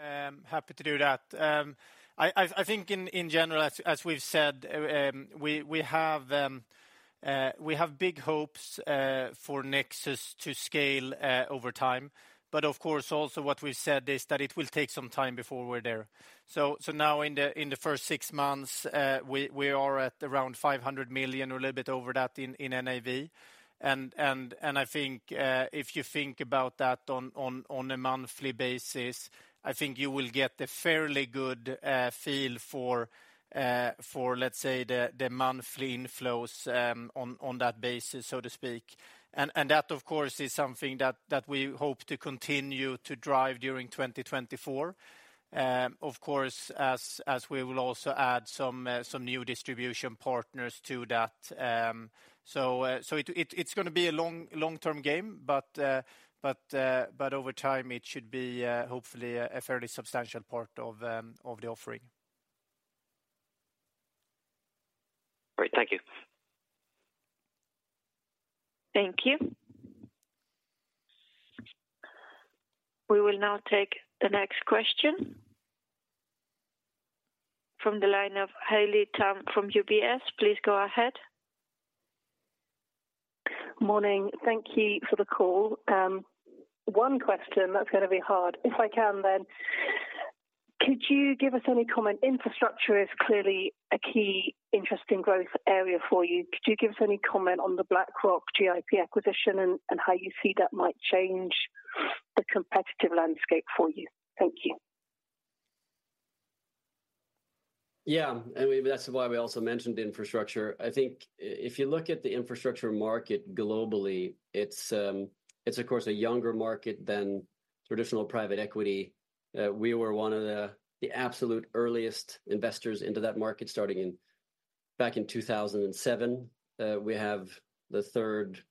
Yeah, happy to do that. I think in general, as we've said, we have big hopes for Nexus to scale over time. But of course, also what we've said is that it will take some time before we're there. So now in the first six months, we are at around 500 million or a little bit over that in NAV. And I think if you think about that on a monthly basis, I think you will get a fairly good feel for, let's say, the monthly inflows on that basis, so to speak. And that, of course, is something that we hope to continue to drive during 2024. Of course, as we will also add some new distribution partners to that. So, it's gonna be a long-term game, but over time, it should be, hopefully, a fairly substantial part of the offering. Great, thank you. Thank you. We will now take the next question... From the line of Haley Tam from UBS. Please go ahead. Morning. Thank you for the call. One question, that's gonna be hard. If I can, then could you give us any comment? Infrastructure is clearly a key interesting growth area for you. Could you give us any comment on the BlackRock GIP acquisition and how you see that might change the competitive landscape for you? Thank you. Yeah, and that's why we also mentioned infrastructure. I think if you look at the infrastructure market globally, it's of course a younger market than traditional private equity. We were one of the absolute earliest investors into that market, starting back in 2007. We have the third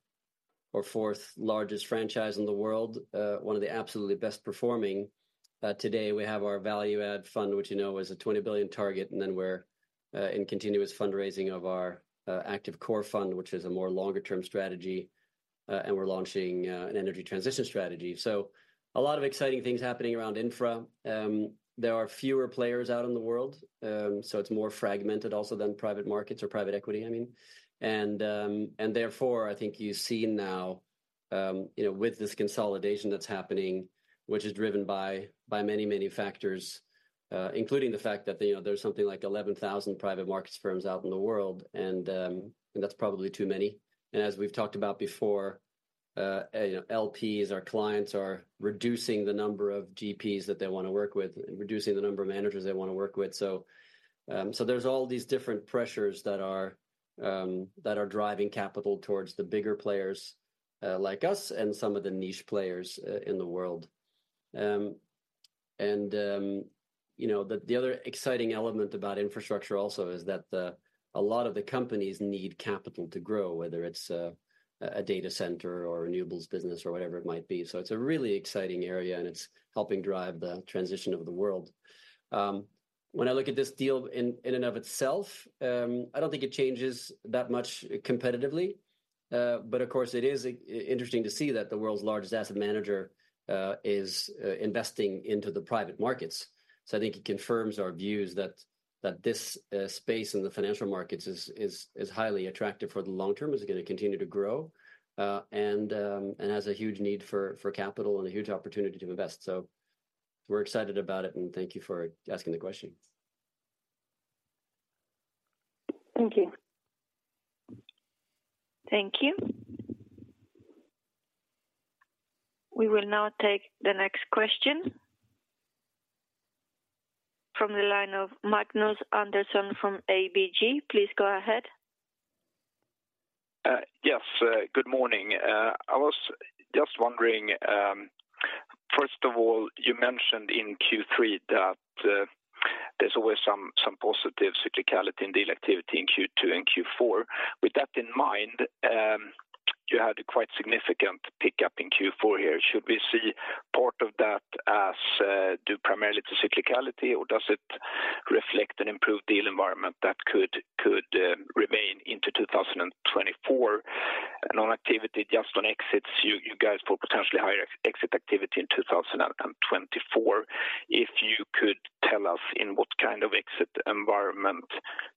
or fourth largest franchise in the world, one of the absolutely best performing. Today, we have our value add fund, which you know is a 20 billion target, and then we're in continuous fundraising of our active core fund, which is a more longer term strategy, and we're launching an energy transition strategy. So a lot of exciting things happening around infra. There are fewer players out in the world, so it's more fragmented also than private markets or private equity, I mean. Therefore, I think you see now, you know, with this consolidation that's happening, which is driven by many, many factors, including the fact that, you know, there's something like 11,000 private markets firms out in the world, and that's probably too many. And as we've talked about before, you know, LPs, our clients are reducing the number of GPs that they wanna work with and reducing the number of managers they wanna work with. So there's all these different pressures that are driving capital towards the bigger players, like us and some of the niche players, in the world. And you know, the other exciting element about infrastructure also is that a lot of the companies need capital to grow, whether it's a data center or a renewables business or whatever it might be. So it's a really exciting area, and it's helping drive the transition of the world. When I look at this deal in and of itself, I don't think it changes that much competitively. But of course, it is interesting to see that the world's largest asset manager is investing into the private markets. So I think it confirms our views that this space in the financial markets is highly attractive for the long term, is gonna continue to grow, and has a huge need for capital and a huge opportunity to invest. We're excited about it, and thank you for asking the question. Thank you. Thank you. We will now take the next question. From the line of Magnus Andersson from ABG, please go ahead. Yes, good morning. I was just wondering, first of all, you mentioned in Q3 that there's always some positive cyclicality in deal activity in Q2 and Q4. With that in mind, you had a quite significant pickup in Q4 here. Should we see part of that as due primarily to cyclicality, or does it reflect an improved deal environment that could remain into 2024? And on activity, just on exits, you guys for potentially higher exit activity in 2024. If you could tell us in what kind of exit environment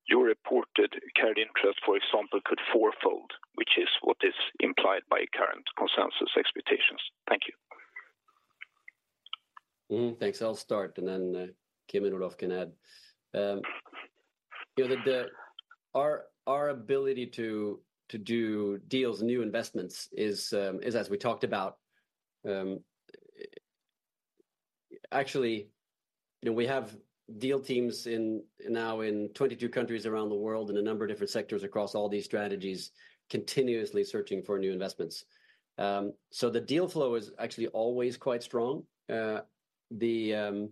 you reported carried interest, for example, could fourfold, which is what is implied by current consensus expectations. Thank you. Mm-hmm. Thanks. I'll start, and then Kim and Olof can add. You know, our ability to do deals and new investments is, as we talked about, actually, you know, we have deal teams now in 22 countries around the world in a number of different sectors across all these strategies, continuously searching for new investments. So the deal flow is actually always quite strong. The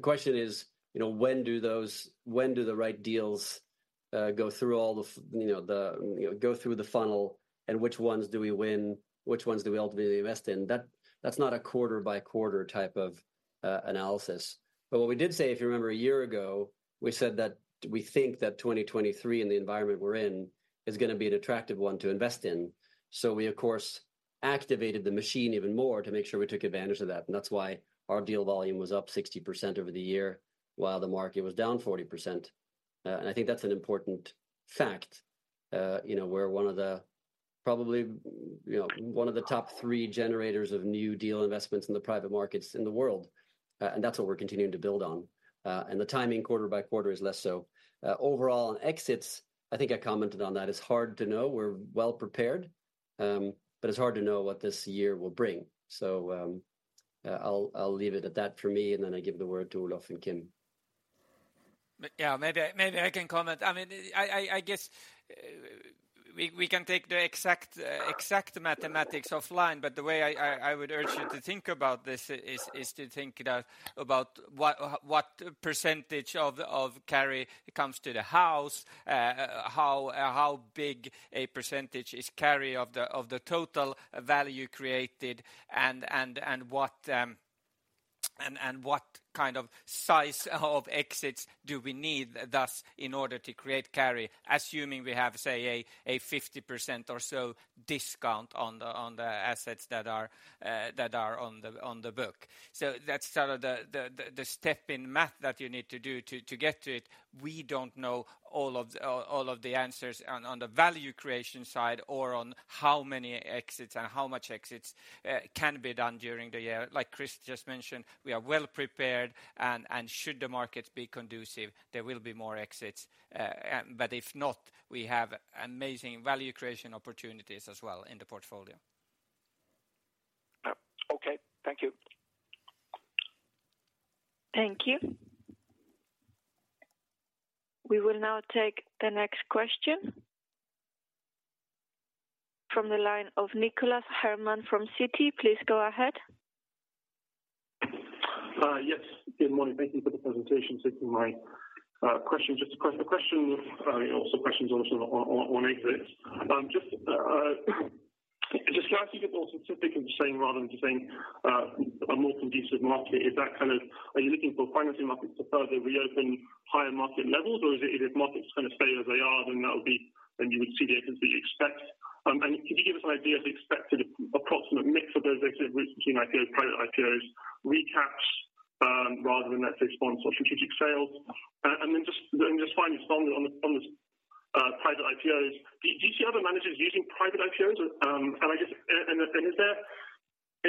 question is, you know, when do the right deals go through all the, you know, the funnel, and which ones do we win? Which ones do we ultimately invest in? That's not a quarter-by-quarter type of analysis. But what we did say, if you remember a year ago, we said that we think that 2023 and the environment we're in is gonna be an attractive one to invest in. So we, of course, activated the machine even more to make sure we took advantage of that, and that's why our deal volume was up 60% over the year, while the market was down 40%. And I think that's an important fact. You know, we're one of the probably, you know, one of the top three generators of new deal investments in the private markets in the world, and that's what we're continuing to build on. And the timing quarter by quarter is less so. Overall, on exits, I think I commented on that. It's hard to know. We're well prepared, but it's hard to know what this year will bring. So, I'll leave it at that for me, and then I give the word to Olof and Kim. Yeah, maybe I can comment. I mean, I guess, we can take the exact mathematics offline, but the way I would urge you to think about this is to think about what percentage of carry comes to the house, how big a percentage is carry of the total value created, and what kind of size of exits do we need, thus, in order to create carry, assuming we have, say, a 50% or so discount on the assets that are on the book. So that's sort of the step in math that you need to do to get to it. We don't know all of the answers on the value creation side or on how many exits and how much exits can be done during the year. Like Chris just mentioned, we are well prepared, and should the markets be conducive, there will be more exits. But if not, we have amazing value creation opportunities as well in the portfolio. Yep. Okay. Thank you. Thank you. We will now take the next question. From the line of Nicholas Herman from Citi. Please go ahead. Yes, good morning. Thank you for the presentation. So my question, just a question, also questions also on, on, on exits. Just, just can I take it more specifically saying, rather than just saying, a more conducive market, is that kind of... Are you looking for financing markets to further reopen higher market levels, or is it if markets kind of stay as they are, then that would be- then you would see the exits that you expect? And can you give us an idea of the expected across-... for those exit routes between IPOs, private IPOs, recaps, rather than let's say, sponsor strategic sales. And then just, then just finally on the, on the, on the, private IPOs, do, do you see other managers using private IPOs? I just, is there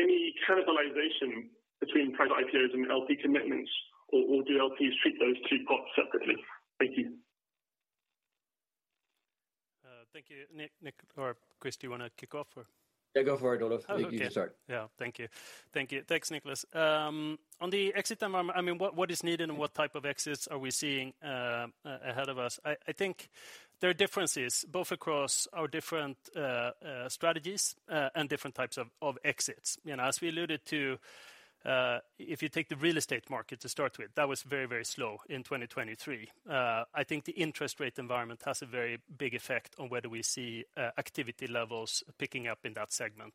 any cannibalization between Private IPOs and LP commitments, or do LPs treat those two pots separately? Thank you. Thank you. Nick, Nick or Chris, do you want to kick off or? Yeah, go for it, Olof. You start. Yeah. Thank you. Thank you. Thanks, Nicholas. On the exit environment, I mean, what is needed and what type of exits are we seeing ahead of us? I think there are differences, both across our different strategies, and different types of exits. You know, as we alluded to, if you take the real estate market to start with, that was very, very slow in 2023. I think the interest rate environment has a very big effect on whether we see activity levels picking up in that segment.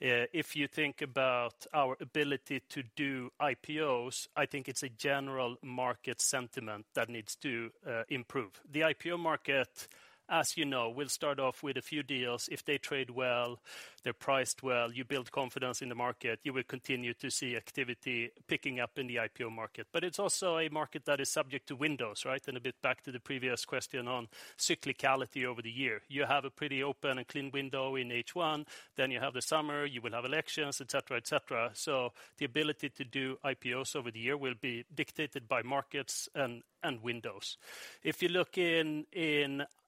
If you think about our ability to do IPOs, I think it's a general market sentiment that needs to improve. The IPO market, as you know, will start off with a few deals. If they trade well, they're priced well, you build confidence in the market, you will continue to see activity picking up in the IPO market. But it's also a market that is subject to windows, right? And a bit back to the previous question on cyclicality over the year. You have a pretty open and clean window in H1, then you have the summer, you will have elections, et cetera, et cetera. So the ability to do IPOs over the year will be dictated by markets and windows. If you look in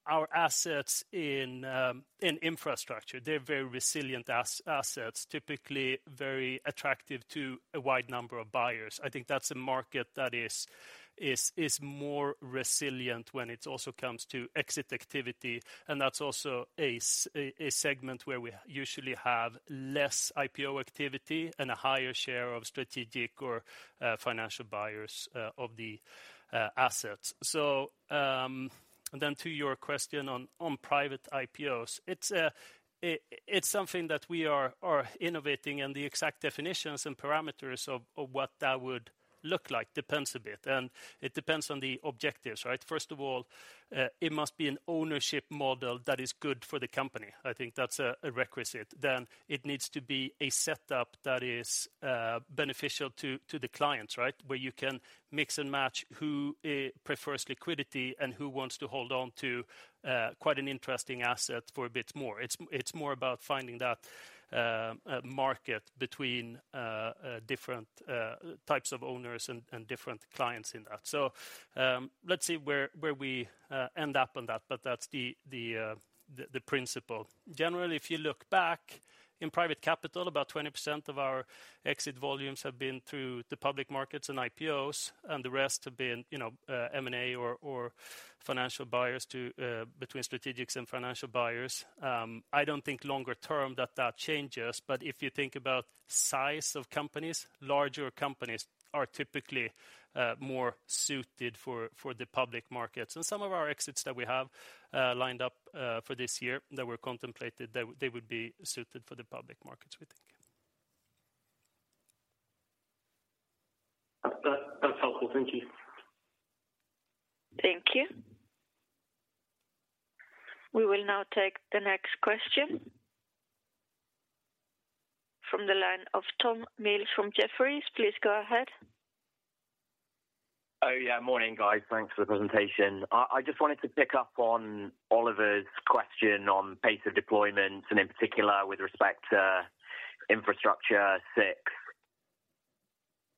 our assets in infrastructure, they're very resilient assets, typically very attractive to a wide number of buyers. I think that's a market that is more resilient when it also comes to exit activity, and that's also a segment where we usually have less IPO activity and a higher share of strategic or financial buyers of the assets. So, then to your question on private IPOs, it's something that we are innovating, and the exact definitions and parameters of what that would look like depends a bit, and it depends on the objectives, right? First of all, it must be an ownership model that is good for the company. I think that's a requisite. Then it needs to be a setup that is beneficial to the clients, right? Where you can mix and match who prefers liquidity and who wants to hold on to quite an interesting asset for a bit more. It's more about finding that market between different types of owners and different clients in that. So, let's see where we end up on that, but that's the principle. Generally, if you look back, in private capital, about 20% of our exit volumes have been through the public markets and IPOs, and the rest have been, you know, M&A or financial buyers to between strategics and financial buyers. I don't think longer term that changes, but if you think about size of companies, larger companies are typically more suited for the public markets. Some of our exits that we have lined up for this year that were contemplated, they would be suited for the public markets, we think. That, that's helpful. Thank you. Thank you. We will now take the next question... From the line of Tom Mills from Jefferies. Please go ahead. Oh, yeah. Morning, guys. Thanks for the presentation. I just wanted to pick up on Oliver's question on pace of deployment, and in particular, with respect to Infrastructure VI.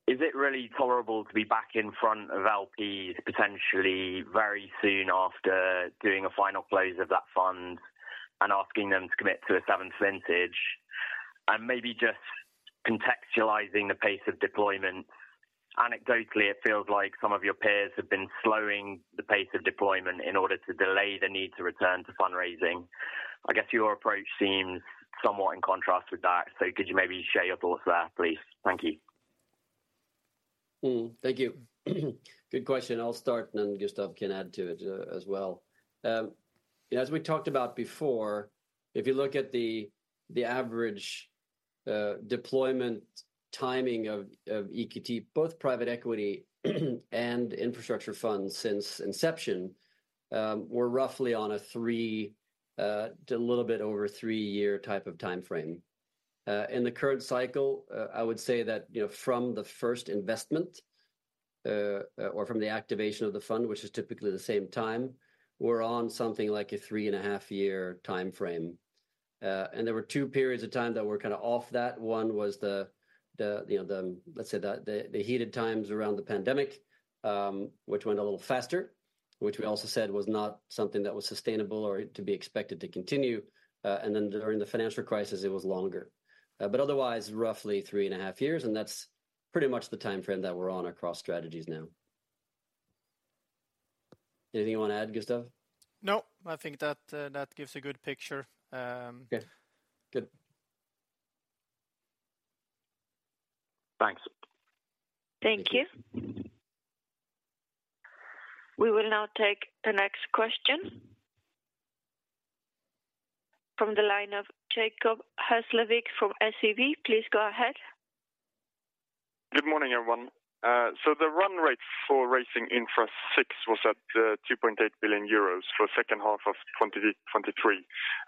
Is it really tolerable to be back in front of LPs, potentially very soon after doing a final close of that fund and asking them to commit to a seventh vintage? And maybe just contextualizing the pace of deployment. Anecdotally, it feels like some of your peers have been slowing the pace of deployment in order to delay the need to return to fundraising. I guess your approach seems somewhat in contrast with that. So could you maybe share your thoughts there, please? Thank you. Thank you. Good question. I'll start, and then Gustav can add to it, as well. As we talked about before, if you look at the average deployment timing of EQT, both private equity, and infrastructure funds since inception, we're roughly on a 3 to a little bit over a 3-year type of timeframe. In the current cycle, I would say that, you know, from the first investment, or from the activation of the fund, which is typically the same time, we're on something like a 3.5-year timeframe. And there were 2 periods of time that were kinda off that. One was the, you know, let's say, the heated times around the pandemic, which went a little faster, which we also said was not something that was sustainable or to be expected to continue. And then during the financial crisis, it was longer. But otherwise, roughly three and a half years, and that's pretty much the timeframe that we're on across strategies now. Anything you want to add, Gustav? No, I think that, that gives a good picture. Okay, good. Thanks. Thank you. We will now take the next question... From the line of Jacob Hesslevik from SEB. Please go ahead.... Good morning, everyone. So the run rate for raising Infra VI was at 2.8 billion euros for second half of 2023.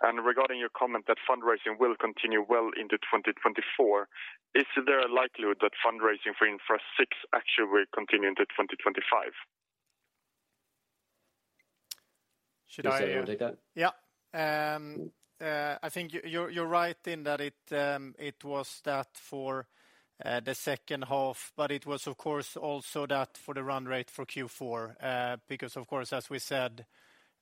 And regarding your comment that fundraising will continue well into 2024, is there a likelihood that fundraising for Infra VI actually will continue into 2025? Should I- Do you want to take that? Yeah. I think you're right in that it was that for the second half, but it was of course also that for the run rate for Q4. Because of course, as we said,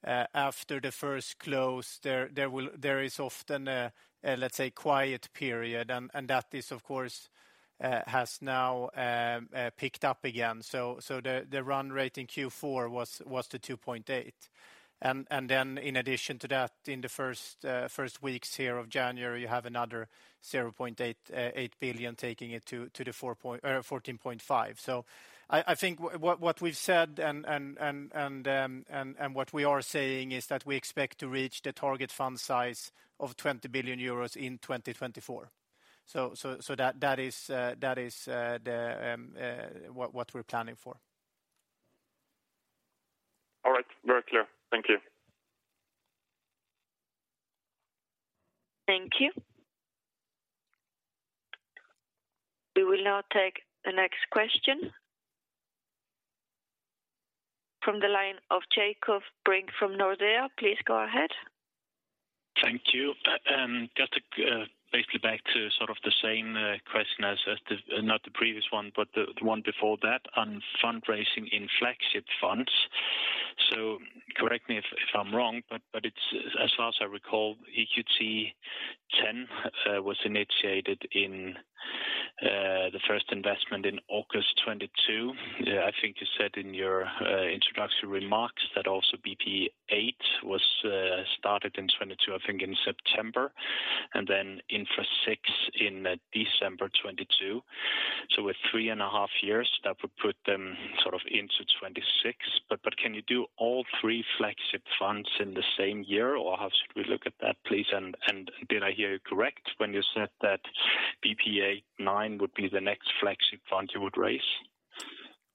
after the first close, there is often a, let's say, quiet period, and that is of course has now picked up again. So the run rate in Q4 was the 2.8 billion. And then in addition to that, in the first weeks here of January, you have another 0.8 billion, taking it to the 14.5 billion. So I think what we've said and what we are saying is that we expect to reach the target fund size of 20 billion euros in 2024. So that is what we're planning for. All right. Very clear. Thank you. Thank you. We will now take the next question... From the line of Jakob Brink from Nordea. Please go ahead. Thank you. Just to basically back to sort of the same question as the, not the previous one, but the one before that, on fundraising in flagship funds. So correct me if I'm wrong, but it's as far as I recall, EQT X was initiated in the first investment in August 2022. I think you said in your introduction remarks that also BPEA VIII was started in 2022, I think in September, and then Infra VI in December 2022. So with three and a half years, that would put them sort of into 2026. But can you do all three flagship funds in the same year, or how should we look at that, please? And did I hear you correct when you said that BPEA IX would be the next flagship fund you would raise?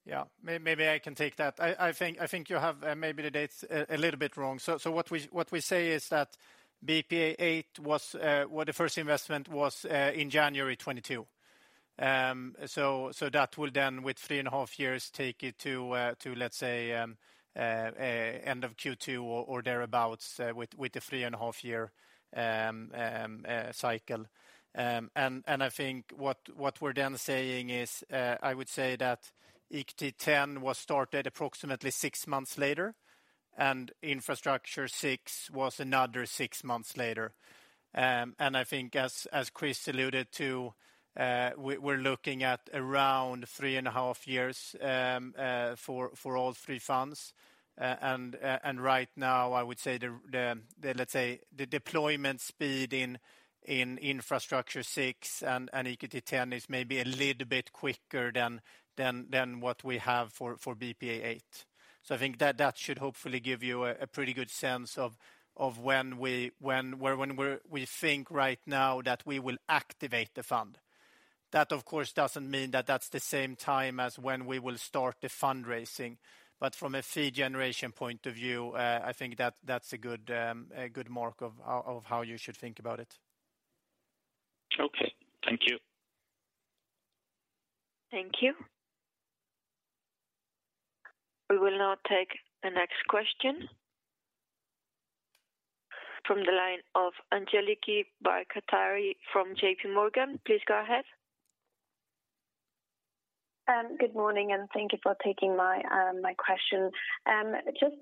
Yeah. Maybe I can take that. I think you have the dates a little bit wrong. So what we say is that BPEA VIII was, well, the first investment was in January 2022. So that will then, with three and a half years, take it to, let's say, end of Q2 or thereabout, with the three and a half year cycle. And I think what we're then saying is, I would say that EQT X was started approximately six months later, and Infrastructure VI was another six months later. And I think as Chris alluded to, we're looking at around three and a half years for all three funds. And right now, I would say the let's say the deployment speed in Infrastructure VI and EQT X is maybe a little bit quicker than what we have for BPEA VIII. So I think that that should hopefully give you a pretty good sense of when we think right now that we will activate the fund. That, of course, doesn't mean that that's the same time as when we will start the fundraising. But from a fee generation point of view, I think that that's a good mark of how you should think about it. Okay. Thank you. Thank you. We will now take the next question... From the line of Angeliki Bairaktari from JPMorgan. Please go ahead. Good morning, and thank you for taking my, my question. Just,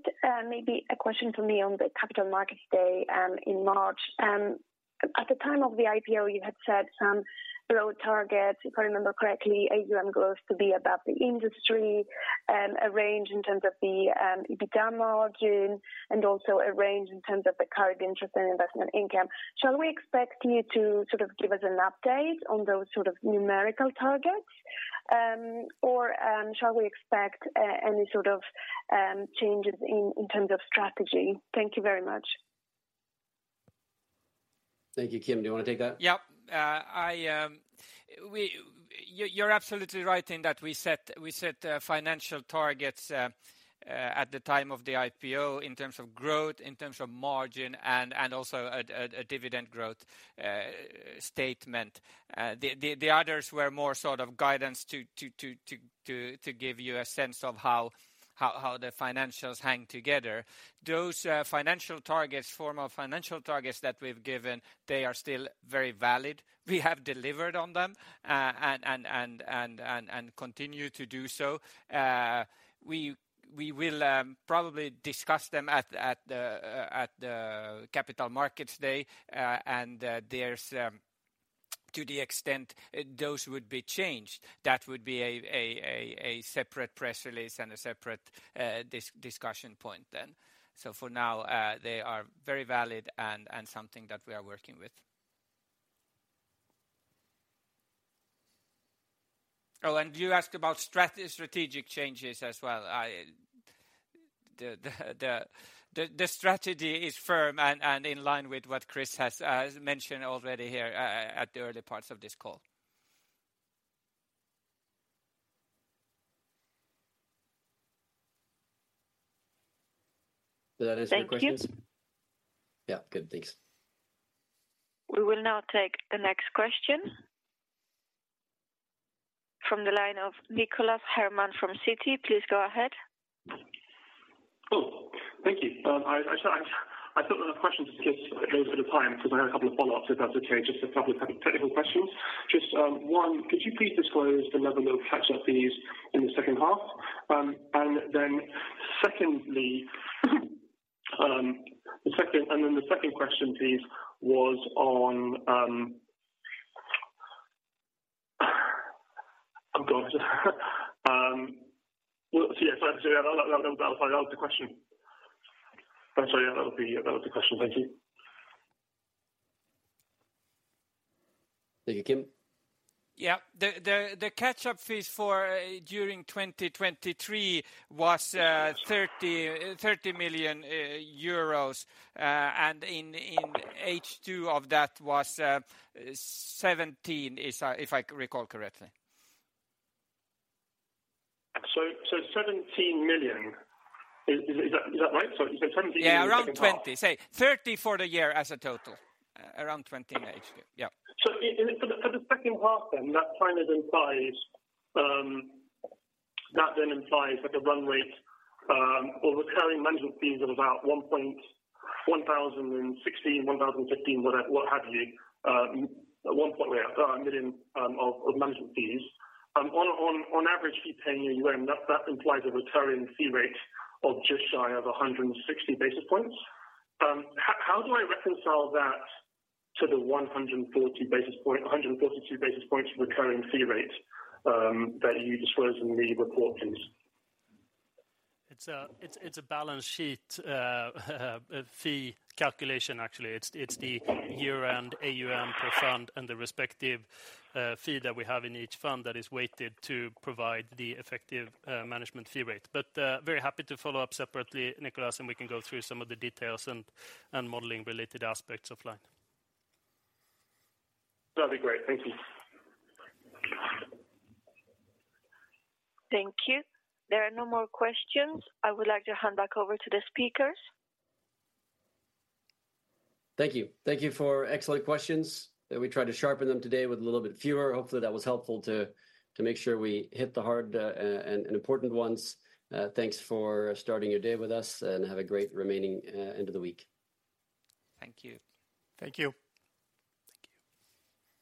maybe a question for me on the Capital Markets Day, in March. At the time of the IPO, you had set some growth targets, if I remember correctly, AUM growth to be above the industry, a range in terms of the, EBITDA margin, and also a range in terms of the current interest and investment income. Shall we expect you to sort of give us an update on those sort of numerical targets? Or, shall we expect, any sort of, changes in, in terms of strategy? Thank you very much. Thank you. Kim, do you want to take that? Yeah. You're absolutely right in that we set financial targets at the time of the IPO in terms of growth, in terms of margin, and also a dividend growth statement. The others were more sort of guidance to give you a sense of how the financials hang together. Those financial targets, formal financial targets that we've given, they are still very valid. We have delivered on them and continue to do so. We will probably discuss them at the Capital Markets Day, and there's to the extent those would be changed, that would be a separate press release and a separate discussion point then. So for now, they are very valid and something that we are working with. Oh, and you asked about strategic changes as well. I-... the strategy is firm and in line with what Chris has mentioned already here at the early parts of this call. Did that answer your questions? Thank you. Yeah. Good, thanks. We will now take the next question... From the line of Nicholas Herman from Citi. Please go ahead. Cool. Thank you. I so I've got another question, just in case we run out of time, because I have a couple of follow-ups, if that's okay. Just a couple of kind of technical questions. Just, one, could you please disclose the level of Catch-up Fees in the second half? And then secondly, the second question, please, was on, oh, God. Well, yes, so yeah, that'll be the question. I'm sorry, yeah, that'll be, that was the question. Thank you. Thank you, Kim. Yeah. The catch-up fees for during 2023 was 30 million EUR. And in H2 of that was 17, if I recall correctly. So, 17 million, is that right? So you said 17 million- Yeah, around 20. Say 30 for the year as a total. Around 20 in H2. Yeah. So for the second half then, that kind of implies that then implies like a run rate or recurring management fees of about 1,016 million, 1,015 million, what have you. At 1 point we have 1 million of management fees. On average fee-paying AUM, that implies a recurring fee rate of just shy of 160 basis points. How do I reconcile that to the 140 basis points-142 basis points recurring fee rate that you disclosed in the report, please? It's a balance sheet fee calculation, actually. It's the year-end AUM per fund and the respective fee that we have in each fund that is weighted to provide the effective management fee rate. But very happy to follow up separately, Nicholas, and we can go through some of the details and modeling related aspects offline. That'd be great. Thank you. Thank you. There are no more questions. I would like to hand back over to the speakers. Thank you. Thank you for excellent questions. We tried to sharpen them today with a little bit fewer. Hopefully, that was helpful to make sure we hit the hard and important ones. Thanks for starting your day with us, and have a great remaining end of the week. Thank you. Thank you. Thank you.